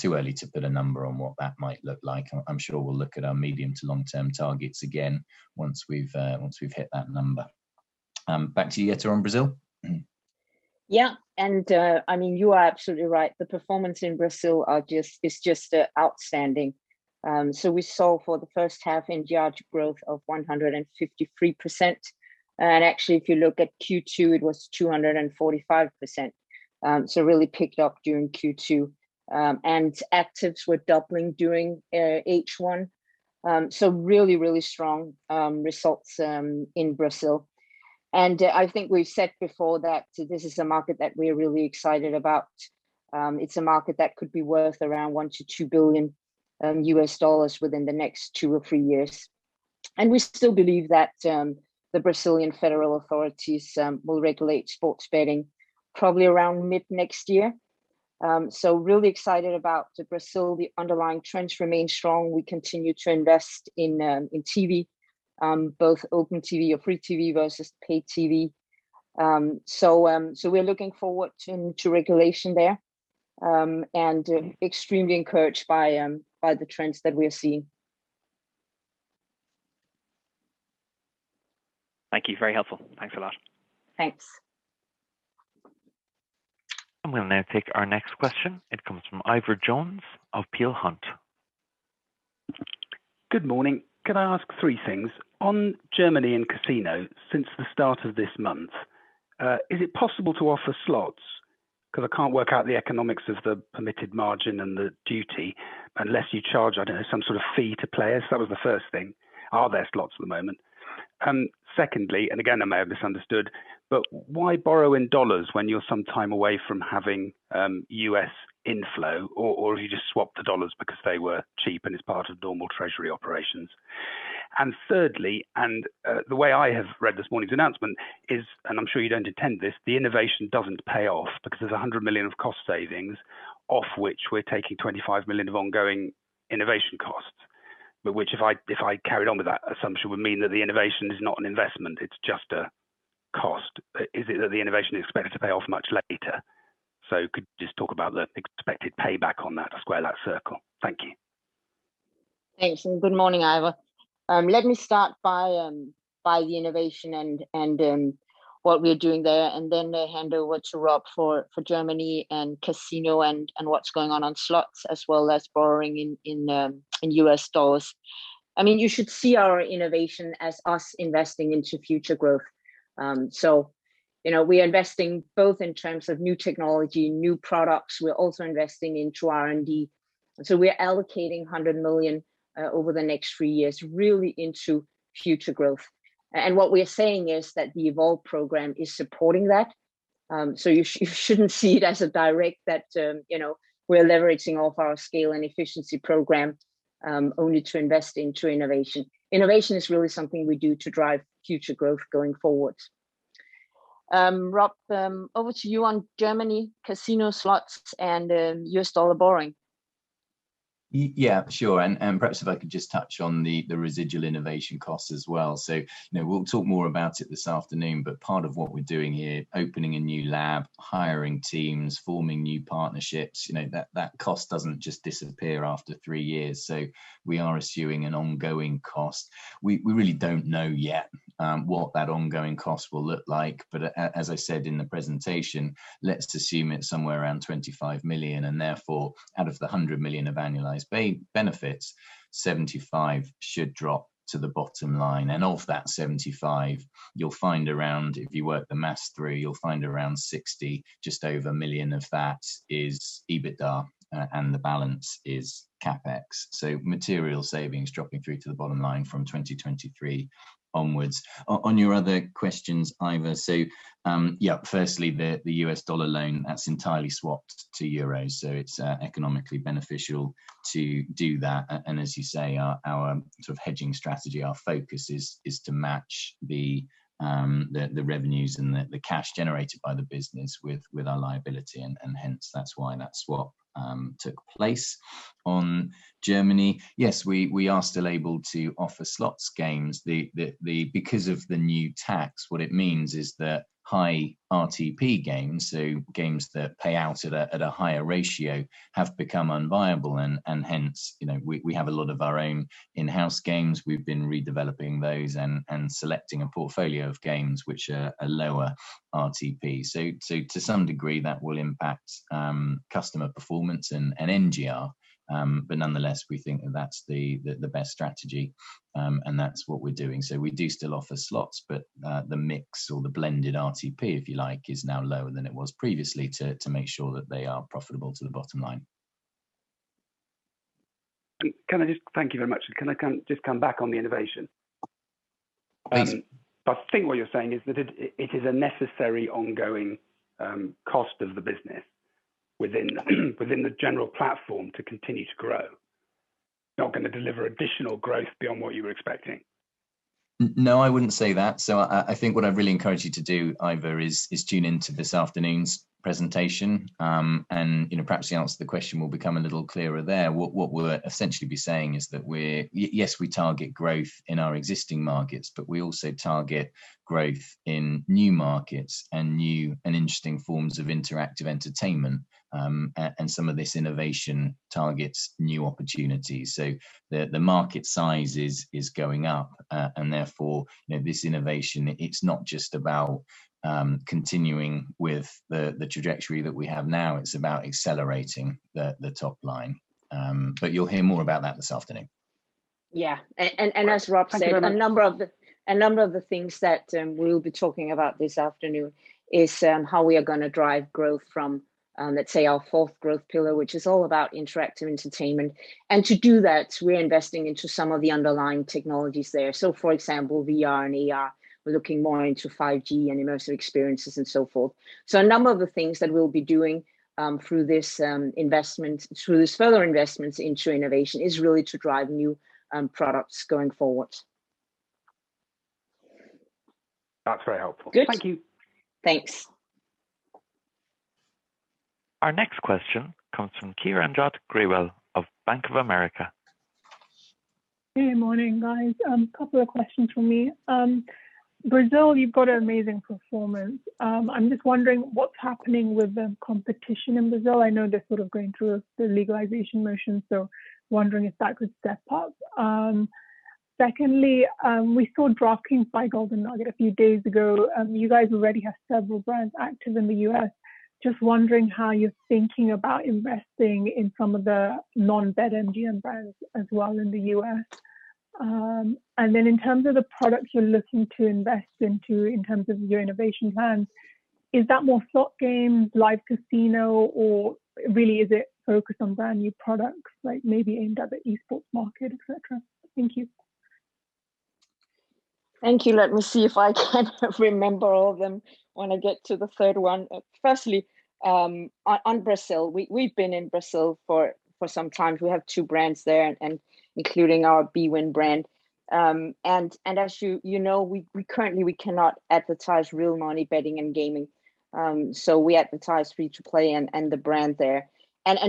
Too early to put a number on what that might look like. I'm sure we'll look at our medium to long-term targets again once we've hit that number. Back to you, Jette, on Brazil. You are absolutely right. The performance in Brazil is just outstanding. We saw for the first half NGR growth of 153%, and actually, if you look at Q2, it was 245%. Really picked up during Q2. Actives were doubling during H1. Really, really strong results in Brazil. I think we've said before that this is a market that we are really excited about. It's a market that could be worth around $1 billion-$2 billion within the next two or three years. We still believe that the Brazilian federal authorities will regulate sports betting probably around mid next year. Really excited about Brazil. The underlying trends remain strong. We continue to invest in TV, both open TV, or free TV versus paid TV. We are looking forward to regulation there and extremely encouraged by the trends that we are seeing. Thank you. Very helpful. Thanks a lot. Thanks. We'll now take our next question. It comes from Ivor Jones of Peel Hunt. Good morning. Could I ask three things? On Germany and casino, since the start of this month, is it possible to offer slots? I can't work out the economics of the permitted margin and the duty unless you charge, I don't know, some sort of fee to players. That was the first thing. Are there slots at the moment? Secondly, again, I may have misunderstood, why borrow in USD when you're some time away from having U.S. inflow? You just swapped the USD because they were cheap and it's part of normal treasury operations? Thirdly, the way I have read this morning's announcement is, I'm sure you don't intend this, the innovation doesn't pay off because there's 100 million of cost savings, of which we're taking 25 million of ongoing innovation costs. Which, if I carried on with that assumption, would mean that the innovation is not an investment, it's just a cost. Is it that the innovation is expected to pay off much later? Could you just talk about the expected payback on that to square that circle? Thank you. Thanks, good morning, Ivor. Let me start by the innovation and what we're doing there, then hand over to Rob for Germany and casino and what's going on on slots, as well as borrowing in US dollars. You should see our innovation as us investing into future growth. We are investing both in terms of new technology, new products. We're also investing into R&D. We are allocating 100 million over the next three years, really into future growth. What we are saying is that the Evolve program is supporting that. You shouldn't see it as a direct that we're leveraging off our scale and efficiency program, only to invest into innovation. Innovation is really something we do to drive future growth going forward. Rob, over to you on Germany casino slots and US dollar borrowing. Yeah, sure. Perhaps if I could just touch on the residual innovation costs as well. We'll talk more about it this afternoon, but part of what we're doing here, opening a new lab, hiring teams, forming new partnerships, that cost doesn't just disappear after three years. We are assuming an ongoing cost. We really don't know yet what that ongoing cost will look like, but as I said in the presentation, let's assume it's somewhere around 25 million, and therefore, out of the 100 million of annualized benefits, 75 million should drop to the bottom line. Of that 75 million, if you work the maths through, you'll find around 60 million, just over 1 million of that is EBITDA, and the balance is CapEx. Material savings dropping through to the bottom line from 2023 onwards. On your other questions, Ivor, firstly, the US dollar loan, that's entirely swapped to Euros, so it's economically beneficial to do that. As you say, our sort of hedging strategy, our focus is to match the revenues and the cash generated by the business with our liability, and hence, that's why that swap took place. On Germany, yes, we are still able to offer slots games. Because of the new tax, what it means is that high RTP games, so games that pay out at a higher ratio, have become unviable and hence, we have a lot of our own in-house games. We've been redeveloping those and selecting a portfolio of games which are a lower RTP. To some degree, that will impact customer performance and NGR. Nonetheless, we think that that's the best strategy, and that's what we're doing. We do still offer slots, but the mix or the blended RTP, if you like, is now lower than it was previously to make sure that they are profitable to the bottom line. Thank you very much. Can I just come back on the innovation? Please. I think what you're saying is that it is a necessary ongoing cost of the business within the general platform to continue to grow. Not going to deliver additional growth beyond what you were expecting. No, I wouldn't say that. I think what I'd really encourage you to do, Ivor, is tune into this afternoon's presentation. Perhaps the answer to the question will become a little clearer there. What we'll essentially be saying is that yes, we target growth in our existing markets, but we also target growth in new markets and new and interesting forms of interactive entertainment. Some of this innovation targets new opportunities. The market size is going up, and therefore, this innovation, it's not just about continuing with the trajectory that we have now. It's about accelerating the top line. You'll hear more about that this afternoon. Yeah. Thank you very much. A number of the things that we'll be talking about this afternoon is how we are going to drive growth from, let's say, our fourth growth pillar, which is all about interactive entertainment. To do that, we are investing into some of the underlying technologies there. For example, VR and AR, we're looking more into 5G and immersive experiences and so forth. A number of the things that we'll be doing through these further investments into innovation is really to drive new products going forward. That's very helpful. Good. Thank you. Thanks. Our next question comes from Kiranjot Grewal of Bank of America. Good morning, guys. Couple of questions from me. Brazil, you've got an amazing performance. I'm just wondering what's happening with the competition in Brazil. Wondering if that could step up. Secondly, we saw DraftKings buy Golden Nugget a few days ago. You guys already have several brands active in the U.S. Just wondering how you're thinking about investing in some of the non-BetMGM brands as well in the U.S. In terms of the products you're looking to invest into in terms of your innovation plans, is that more slot games, live casino, or really is it focused on brand new products, like maybe aimed at the esports market, et cetera? Thank you. Thank you. Let me see if I can remember all of them when I get to the third one. On Brazil, we've been in Brazil for some time. We have two brands there, including our bwin brand. As you know, currently we cannot advertise real money betting and gaming, so we advertise free-to-play and the brand there.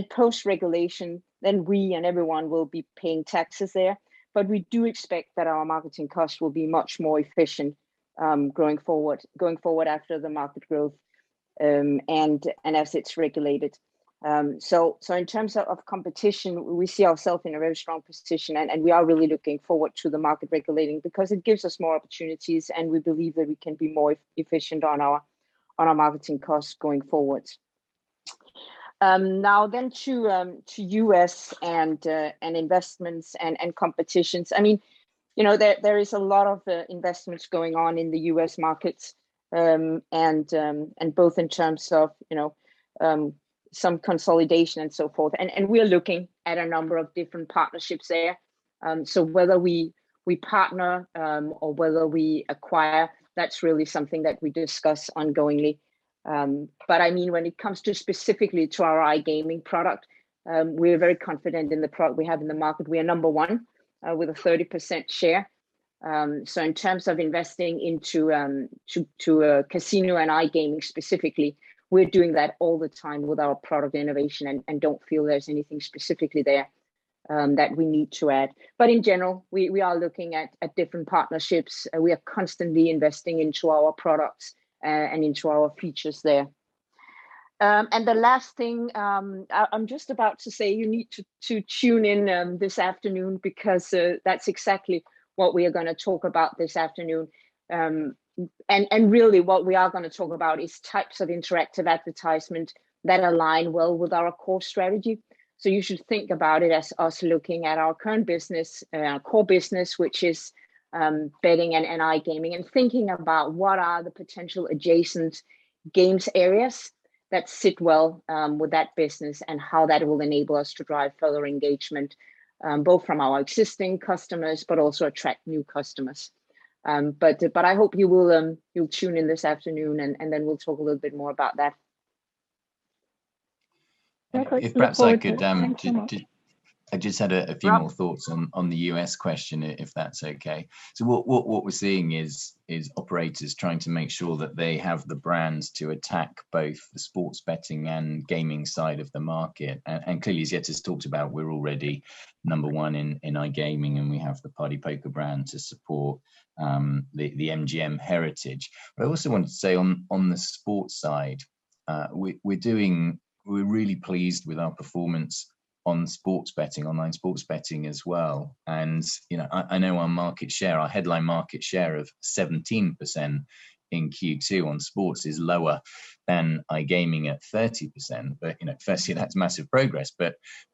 Post-regulation, then we and everyone will be paying taxes there. We do expect that our marketing costs will be much more efficient going forward after the market growth, and as it's regulated. In terms of competition, we see ourself in a very strong position, and we are really looking forward to the market regulating because it gives us more opportunities, and we believe that we can be more efficient on our marketing costs going forward. To U.S. and investments and competitions. There is a lot of investments going on in the U.S. markets, both in terms of some consolidation and so forth. We are looking at a number of different partnerships there. Whether we partner or whether we acquire, that's really something that we discuss ongoingly. When it comes specifically to our iGaming product, we are very confident in the product we have in the market. We are number one with a 30% share. In terms of investing into a casino and iGaming specifically, we're doing that all the time with our product innovation and don't feel there's anything specifically there that we need to add. In general, we are looking at different partnerships. We are constantly investing into our products and into our features there. The last thing, I'm just about to say you need to tune in this afternoon because that's exactly what we are going to talk about this afternoon. Really what we are going to talk about is types of interactive entertainment that align well with our core strategy. You should think about it as us looking at our current business, our core business, which is betting and iGaming, and thinking about what are the potential adjacent games areas that sit well with that business and how that will enable us to drive further engagement, both from our existing customers, but also attract new customers. I hope you'll tune in this afternoon and then we'll talk a little bit more about that. No question for you. Thank you much. If perhaps I could just- Rob. I just had a few more thoughts on the U.S. question, if that's okay. What we're seeing is operators trying to make sure that they have the brands to attack both the sports betting and gaming side of the market. Clearly, Jette's talked about we're already number one in iGaming, and we have the PartyPoker brand to support the MGM heritage. I also wanted to say on the sports side, we're really pleased with our performance on sports betting, online sports betting as well. I know our market share, our headline market share of 17% in Q2 on sports is lower than iGaming at 30%. Firstly, that's massive progress.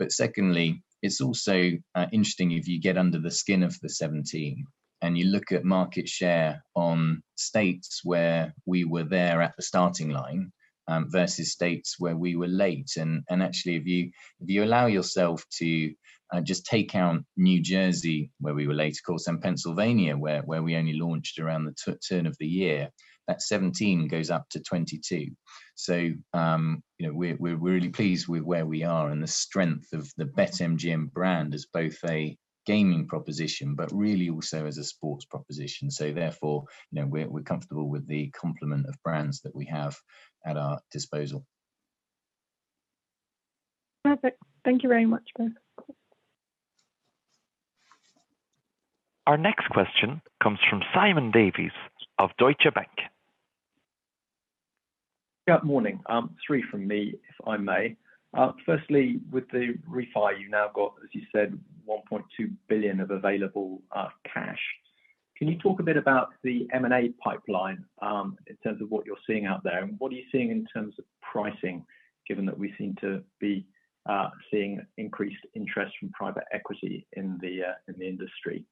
Secondly, it's also interesting if you get under the skin of the 17% and you look at market share on states where we were there at the starting line versus states where we were late. Actually, if you allow yourself to just take out New Jersey, where we were late, of course, and Pennsylvania, where we only launched around the turn of the year, that 17 goes up to 22. We're really pleased with where we are and the strength of the BetMGM brand as both a gaming proposition, but really also as a sports proposition. Therefore, we're comfortable with the complement of brands that we have at our disposal. Perfect. Thank you very much, both. Our next question comes from Simon Davies of Deutsche Bank. Yeah, morning. Three from me, if I may. Firstly, with the refi, you've now got, as you said, 1.2 billion of available cash. Can you talk a bit about the M&A pipeline in terms of what you're seeing out there, and what are you seeing in terms of pricing, given that we seem to be seeing increased interest from private equity in the industry?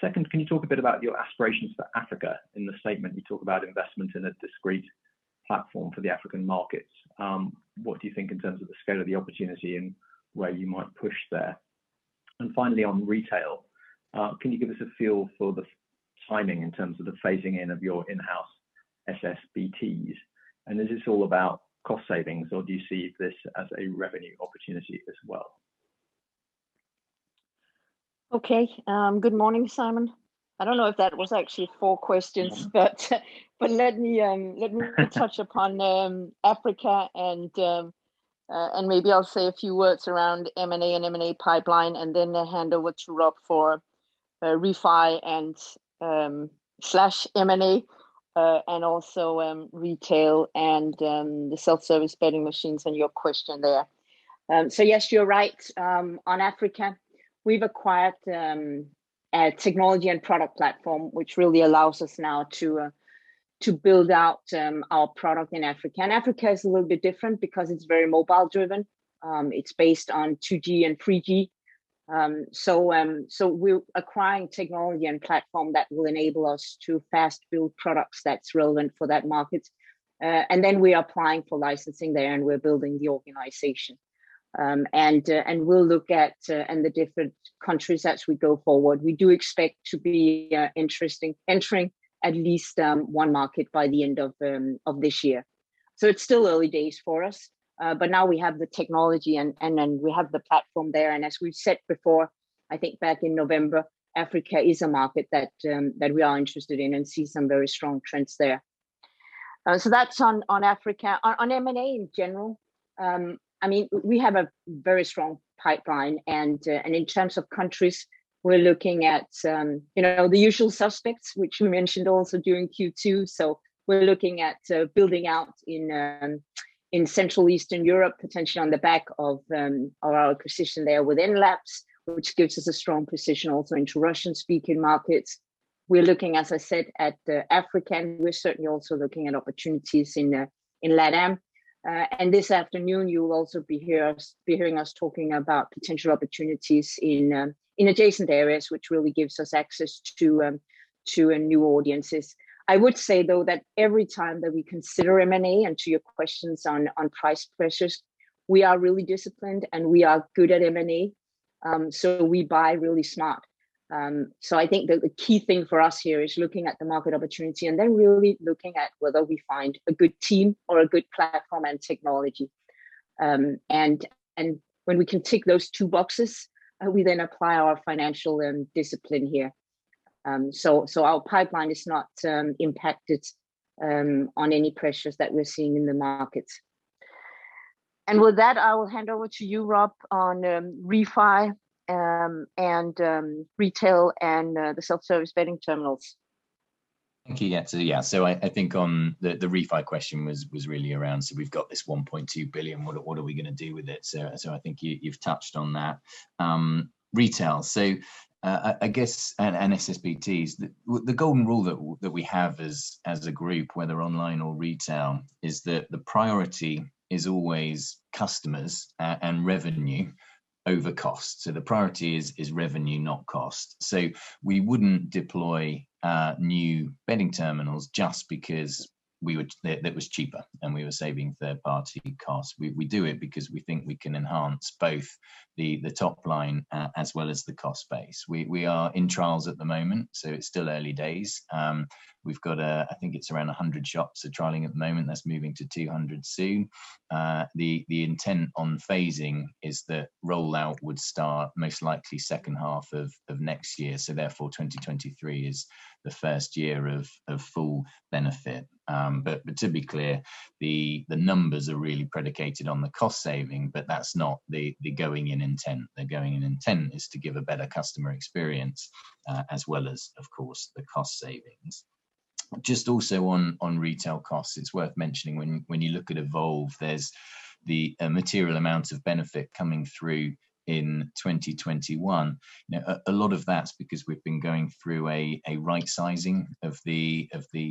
Second, can you talk a bit about your aspirations for Africa? In the statement, you talk about investment in a discrete platform for the African markets. What do you think in terms of the scale of the opportunity and where you might push there? Finally, on retail, can you give us a feel for the timing in terms of the phasing in of your in-house SSBTs? Is this all about cost savings, or do you see this as a revenue opportunity as well? Okay. Good morning, Simon. I don't know if that was actually four questions. Yeah. Let me touch upon Africa and maybe I'll say a few words around M&A and M&A pipeline, then hand over to Rob for refi and/M&A and also retail and the self-service betting machines and your question there. Yes, you're right. On Africa, we've acquired a technology and product platform which really allows us now to build out our product in Africa. Africa is a little bit different because it's very mobile driven. It's based on 2G and 3G. We're acquiring technology and platform that will enable us to fast build products that's relevant for that market. Then we are applying for licensing there and we're building the organization. We'll look at the different countries as we go forward. We do expect to be entering at least one market by the end of this year. It's still early days for us, but now we have the technology and we have the platform there. As we've said before, I think back in November, Africa is a market that we are interested in and see some very strong trends there. That's on Africa. On M&A in general, we have a very strong pipeline and in terms of countries, we're looking at the usual suspects, which you mentioned also during Q2. We're looking at building out in Central Eastern Europe, potentially on the back of our acquisition there with Enlabs, which gives us a strong position also into Russian-speaking markets. We're looking, as I said, at Africa. We're certainly also looking at opportunities in LATAM. This afternoon, you'll also be hearing us talking about potential opportunities in adjacent areas, which really gives us access to new audiences. I would say, though, that every time that we consider M&A, and to your questions on price pressures, we are really disciplined, and we are good at M&A. We buy really smart. I think that the key thing for us here is looking at the market opportunity and then really looking at whether we find a good team or a good platform and technology. When we can tick those two boxes, we then apply our financial discipline here. Our pipeline is not impacted on any pressures that we're seeing in the markets. With that, I will hand over to you, Rob, on refi and retail and the self-service betting terminals. Thank you. I think on the refi question was really around, so we've got this 1.2 billion, what are we going to do with it? I think you've touched on that. Retail, so I guess, and SSBTs, the golden rule that we have as a group, whether online or retail, is that the priority is always customers and revenue over cost. The priority is revenue, not cost. We wouldn't deploy new betting terminals just because it was cheaper and we were saving third-party costs. We do it because we think we can enhance both the top line as well as the cost base. We are in trials at the moment, so it's still early days. We've got, I think, around 100 shops are trialing at the moment. That's moving to 200 soon. The intent on phasing is that rollout would start most likely second half of next year. Therefore, 2023 is the first year of full benefit. To be clear, the numbers are really predicated on the cost saving, but that's not the going-in intent. The going-in intent is to give a better customer experience, as well as, of course, the cost savings. Just also on retail costs, it's worth mentioning when you look at Evolve, there's the material amount of benefit coming through in 2021. A lot of that's because we've been going through a rightsizing of the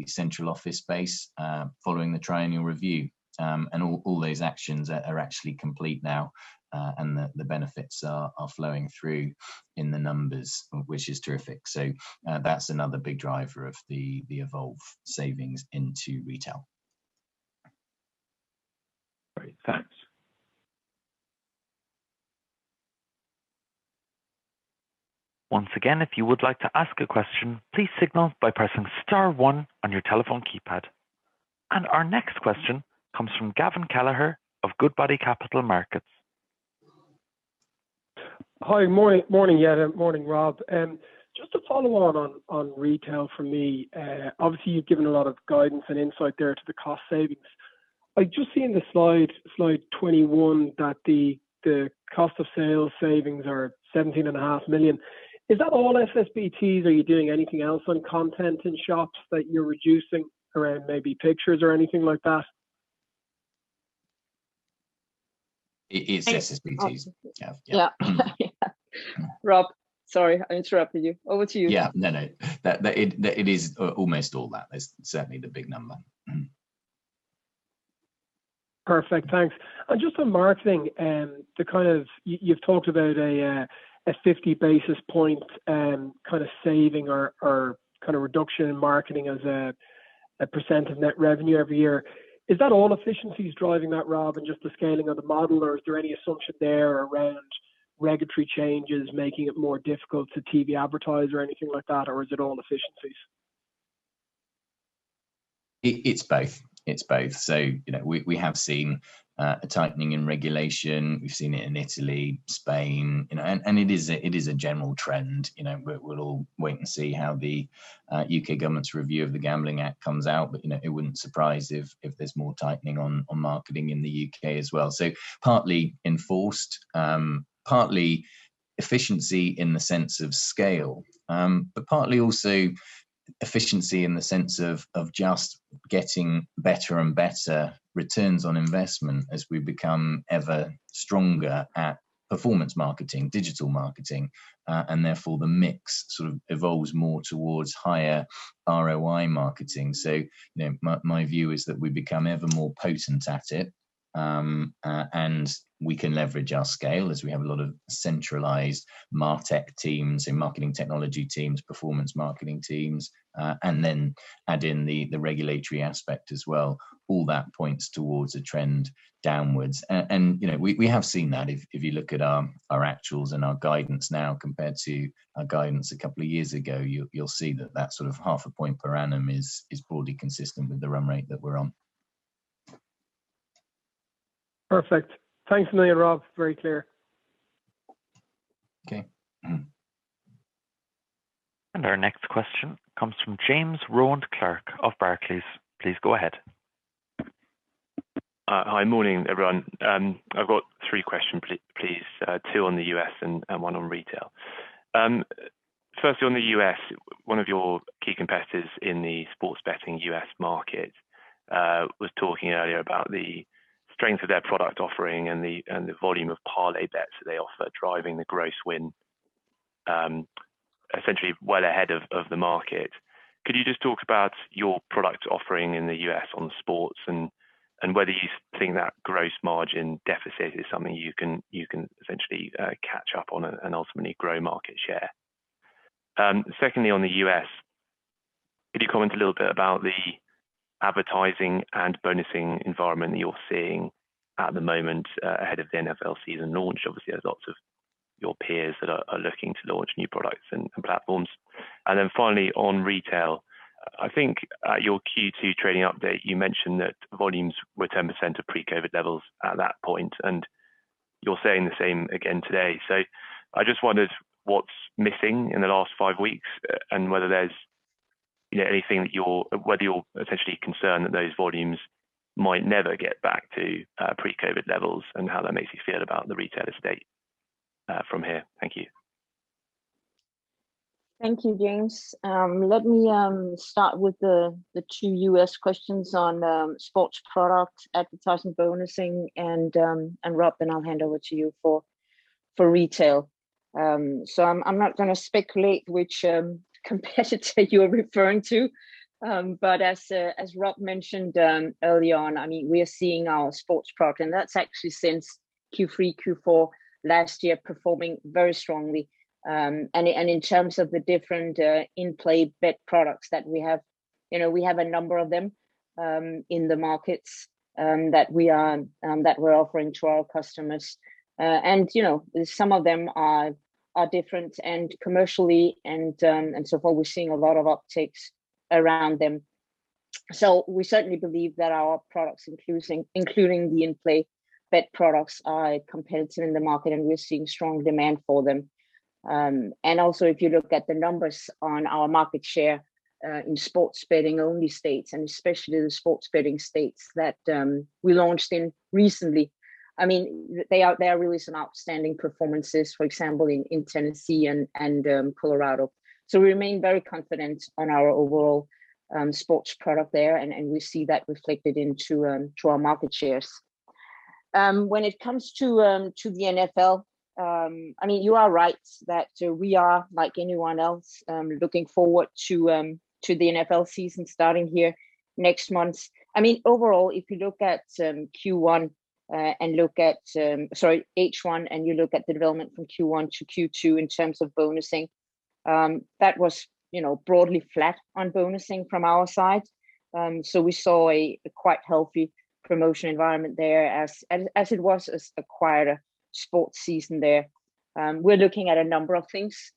central office base following the triennial review. All those actions are actually complete now, and the benefits are flowing through in the numbers, which is terrific. That's another big driver of the Evolve savings into retail. Great. Thanks. Once again, if you would like to ask a question, please signal by pressing star one on your telephone keypad. Our next question comes from Gavin Kelleher of Goodbody Capital Markets. Hi. Morning, Jette. Morning, Rob. Just to follow on on retail from me. Obviously, you've given a lot of guidance and insight there to the cost savings. I've just seen the slide 21, that the cost of sales savings are 17.5 million. Is that all SSBTs? Are you doing anything else on content in shops that you're reducing around maybe pictures or anything like that? It is SSBTs. Yeah. Rob, sorry, I interrupted you. Over to you. Yeah. No, no. It is almost all that. It is certainly the big number. Perfect. Thanks. Just on marketing, you've talked about a 50 basis point saving or reduction in marketing as a percent of net revenue every year. Is that all efficiencies driving that, Rob, and just the scaling of the model? Or is there any assumption there around regulatory changes making it more difficult to TV advertise or anything like that? Or is it all efficiencies? It's both. We have seen a tightening in regulation. We've seen it in Italy, Spain, and it is a general trend. We'll all wait and see how the U.K. government's review of the Gambling Act comes out. It wouldn't surprise if there's more tightening on marketing in the U.K. as well. Partly enforced, partly efficiency in the sense of scale, but partly also efficiency in the sense of just getting better and better returns on investment as we become ever stronger at performance marketing, digital marketing, and therefore the mix sort of evolves more towards higher ROI marketing. My view is that we become ever more potent at it, and we can leverage our scale as we have a lot of centralized MarTech teams and marketing technology teams, performance marketing teams, and then add in the regulatory aspect as well. All that points towards a trend downwards. We have seen that. If you look at our actuals and our guidance now compared to our guidance a couple of years ago, you'll see that that sort of half a point per annum is broadly consistent with the run rate that we're on. Perfect. Thanks a million, Rob. Very clear. Okay. Our next question comes from James Rowland Clark of Barclays. Please go ahead. Hi. Morning, everyone. I've got three questions, please. Two on the U.S. and one on retail. Firstly on the U.S., one of your key competitors in the sports betting U.S. market was talking earlier about the strength of their product offering and the volume of parlay bets that they offer driving the gross win essentially well ahead of the market. Could you just talk about your product offering in the U.S. on sports and whether you think that gross margin deficit is something you can essentially catch up on and ultimately grow market share? Secondly on the U.S., could you comment a little bit about the advertising and bonusing environment that you're seeing at the moment ahead of the NFL season launch? There's lots of your peers that are looking to launch new products and platforms. Finally on retail, I think at your Q2 trading update, you mentioned that volumes were 10% of pre-COVID-19 levels at that point, and you're saying the same again today. I just wondered what's missing in the last five weeks and whether you're essentially concerned that those volumes might never get back to pre-COVID-19 levels, and how that makes you feel about the retail estate from here. Thank you. Thank you, James. Let me start with the two U.S. questions on sports product advertising bonusing, Rob, then I'll hand over to you for retail. I'm not going to speculate which competitor you're referring to, but as Rob mentioned earlier on, we are seeing our sports product, and that's actually since Q3, Q4 last year performing very strongly. In terms of the different in-play bet products that we have, we have a number of them in the markets that we're offering to our customers. Some of them are different and commercially and so far, we're seeing a lot of uptakes around them. We certainly believe that our products, including the in-play bet products, are competitive in the market and we're seeing strong demand for them. Also if you look at the numbers on our market share in sports betting only states, and especially the sports betting states that we launched in recently, there are really some outstanding performances, for example, in Tennessee and Colorado. We remain very confident on our overall sports product there and we see that reflected into our market shares. When it comes to the NFL, you are right that we are like anyone else, looking forward to the NFL season starting here next month. Overall, if you look at Q1 and look at, sorry, H1 and you look at the development from Q1 to Q2 in terms of bonusing, that was broadly flat on bonusing from our side. We saw a quite healthy promotion environment there as it was a quieter sports season there. We're looking at a number of things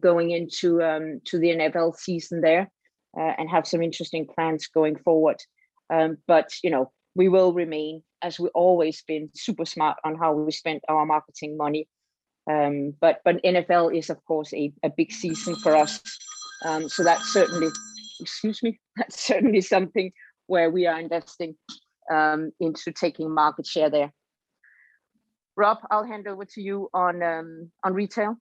going into the NFL season there and have some interesting plans going forward. We will remain, as we always been, super smart on how we spend our marketing money. NFL is of course a big season for us. Excuse me. That's certainly something where we are investing into taking market share there. Rob, I'll hand over to you on retail.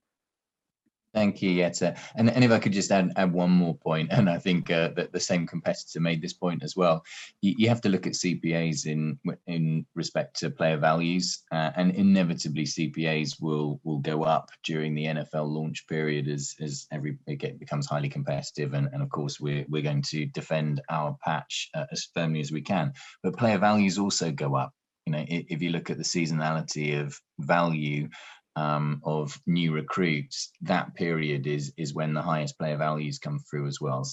Thank you, Jette. If I could just add one more point, I think that the same competitor made this point as well. You have to look at CPAs in respect to player values, inevitably CPAs will go up during the NFL launch period as it becomes highly competitive and of course, we're going to defend our patch as firmly as we can. Player values also go up. If you look at the seasonality of value of new recruits, that period is when the highest player values come through as well.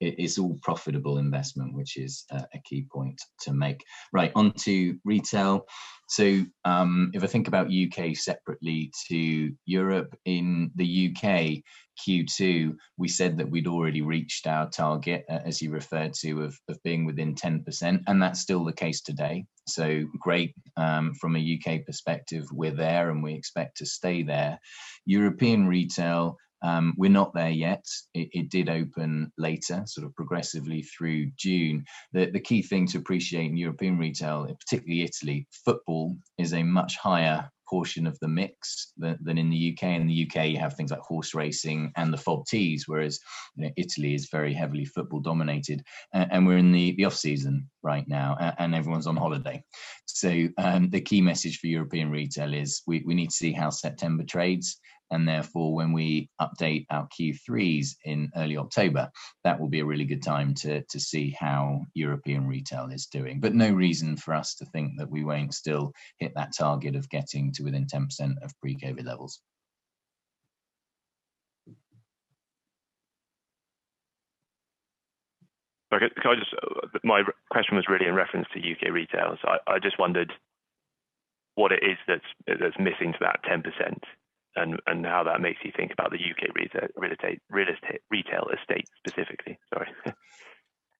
It's all profitable investment, which is a key point to make. Right, onto retail. If I think about U.K. separately to Europe, in the U.K. Q2, we said that we'd already reached our target, as you referred to, of being within 10%, that's still the case today. Great from a U.K. perspective. We're there and we expect to stay there. European retail, we're not there yet. It did open later, sort of progressively through June. The key thing to appreciate in European retail, and particularly Italy, football is a much higher portion of the mix than in the U.K. In the U.K., you have things like horse racing and the FOBTs, whereas Italy is very heavily football dominated. We're in the off-season right now and everyone's on holiday. The key message for European retail is we need to see how September trades and therefore when we update our Q3s in early October, that will be a really good time to see how European retail is doing. No reason for us to think that we won't still hit that target of getting to within 10% of pre-COVID levels. Okay. My question was really in reference to U.K. retail. I just wondered what it is that's missing to that 10% and how that makes you think about the U.K. retail estate specifically?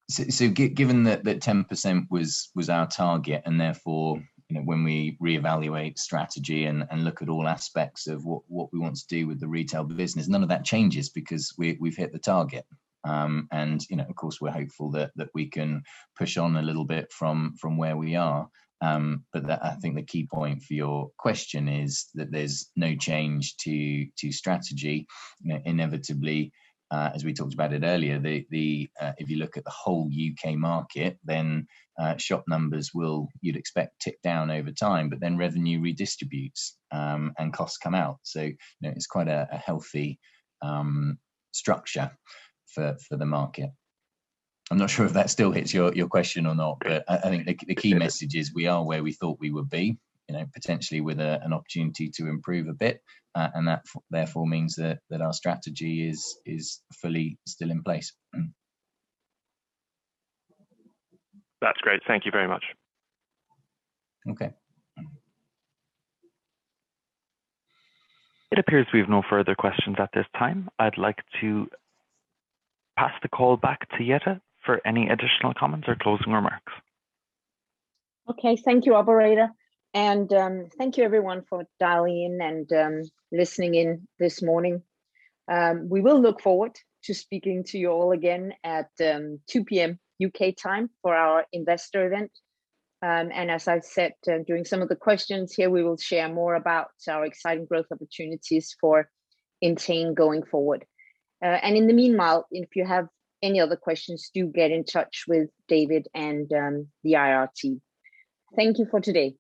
Sorry. Given that 10% was our target and therefore, when we reevaluate strategy and look at all aspects of what we want to do with the retail business, none of that changes because we've hit the target. Of course, we're hopeful that we can push on a little bit from where we are. I think the key point for your question is that there's no change to strategy. Inevitably, as we talked about it earlier, if you look at the whole U.K. market then shop numbers will, you'd expect, tick down over time, but then revenue redistributes, and costs come out. It's quite a healthy structure for the market. I'm not sure if that still hits your question or not, but I think the key message is we are where we thought we would be, potentially with an opportunity to improve a bit. That therefore means that our strategy is fully still in place. That's great. Thank you very much. Okay. It appears we have no further questions at this time. I'd like to pass the call back to Jette for any additional comments or closing remarks. Okay. Thank you, operator. Thank you everyone for dialing and listening in this morning. We will look forward to speaking to you all again at 2:00 P.M. U.K. time for our investor event. As I've said during some of the questions here, we will share more about our exciting growth opportunities for Entain going forward. In the meanwhile, if you have any other questions, do get in touch with David and the IR team. Thank you for today.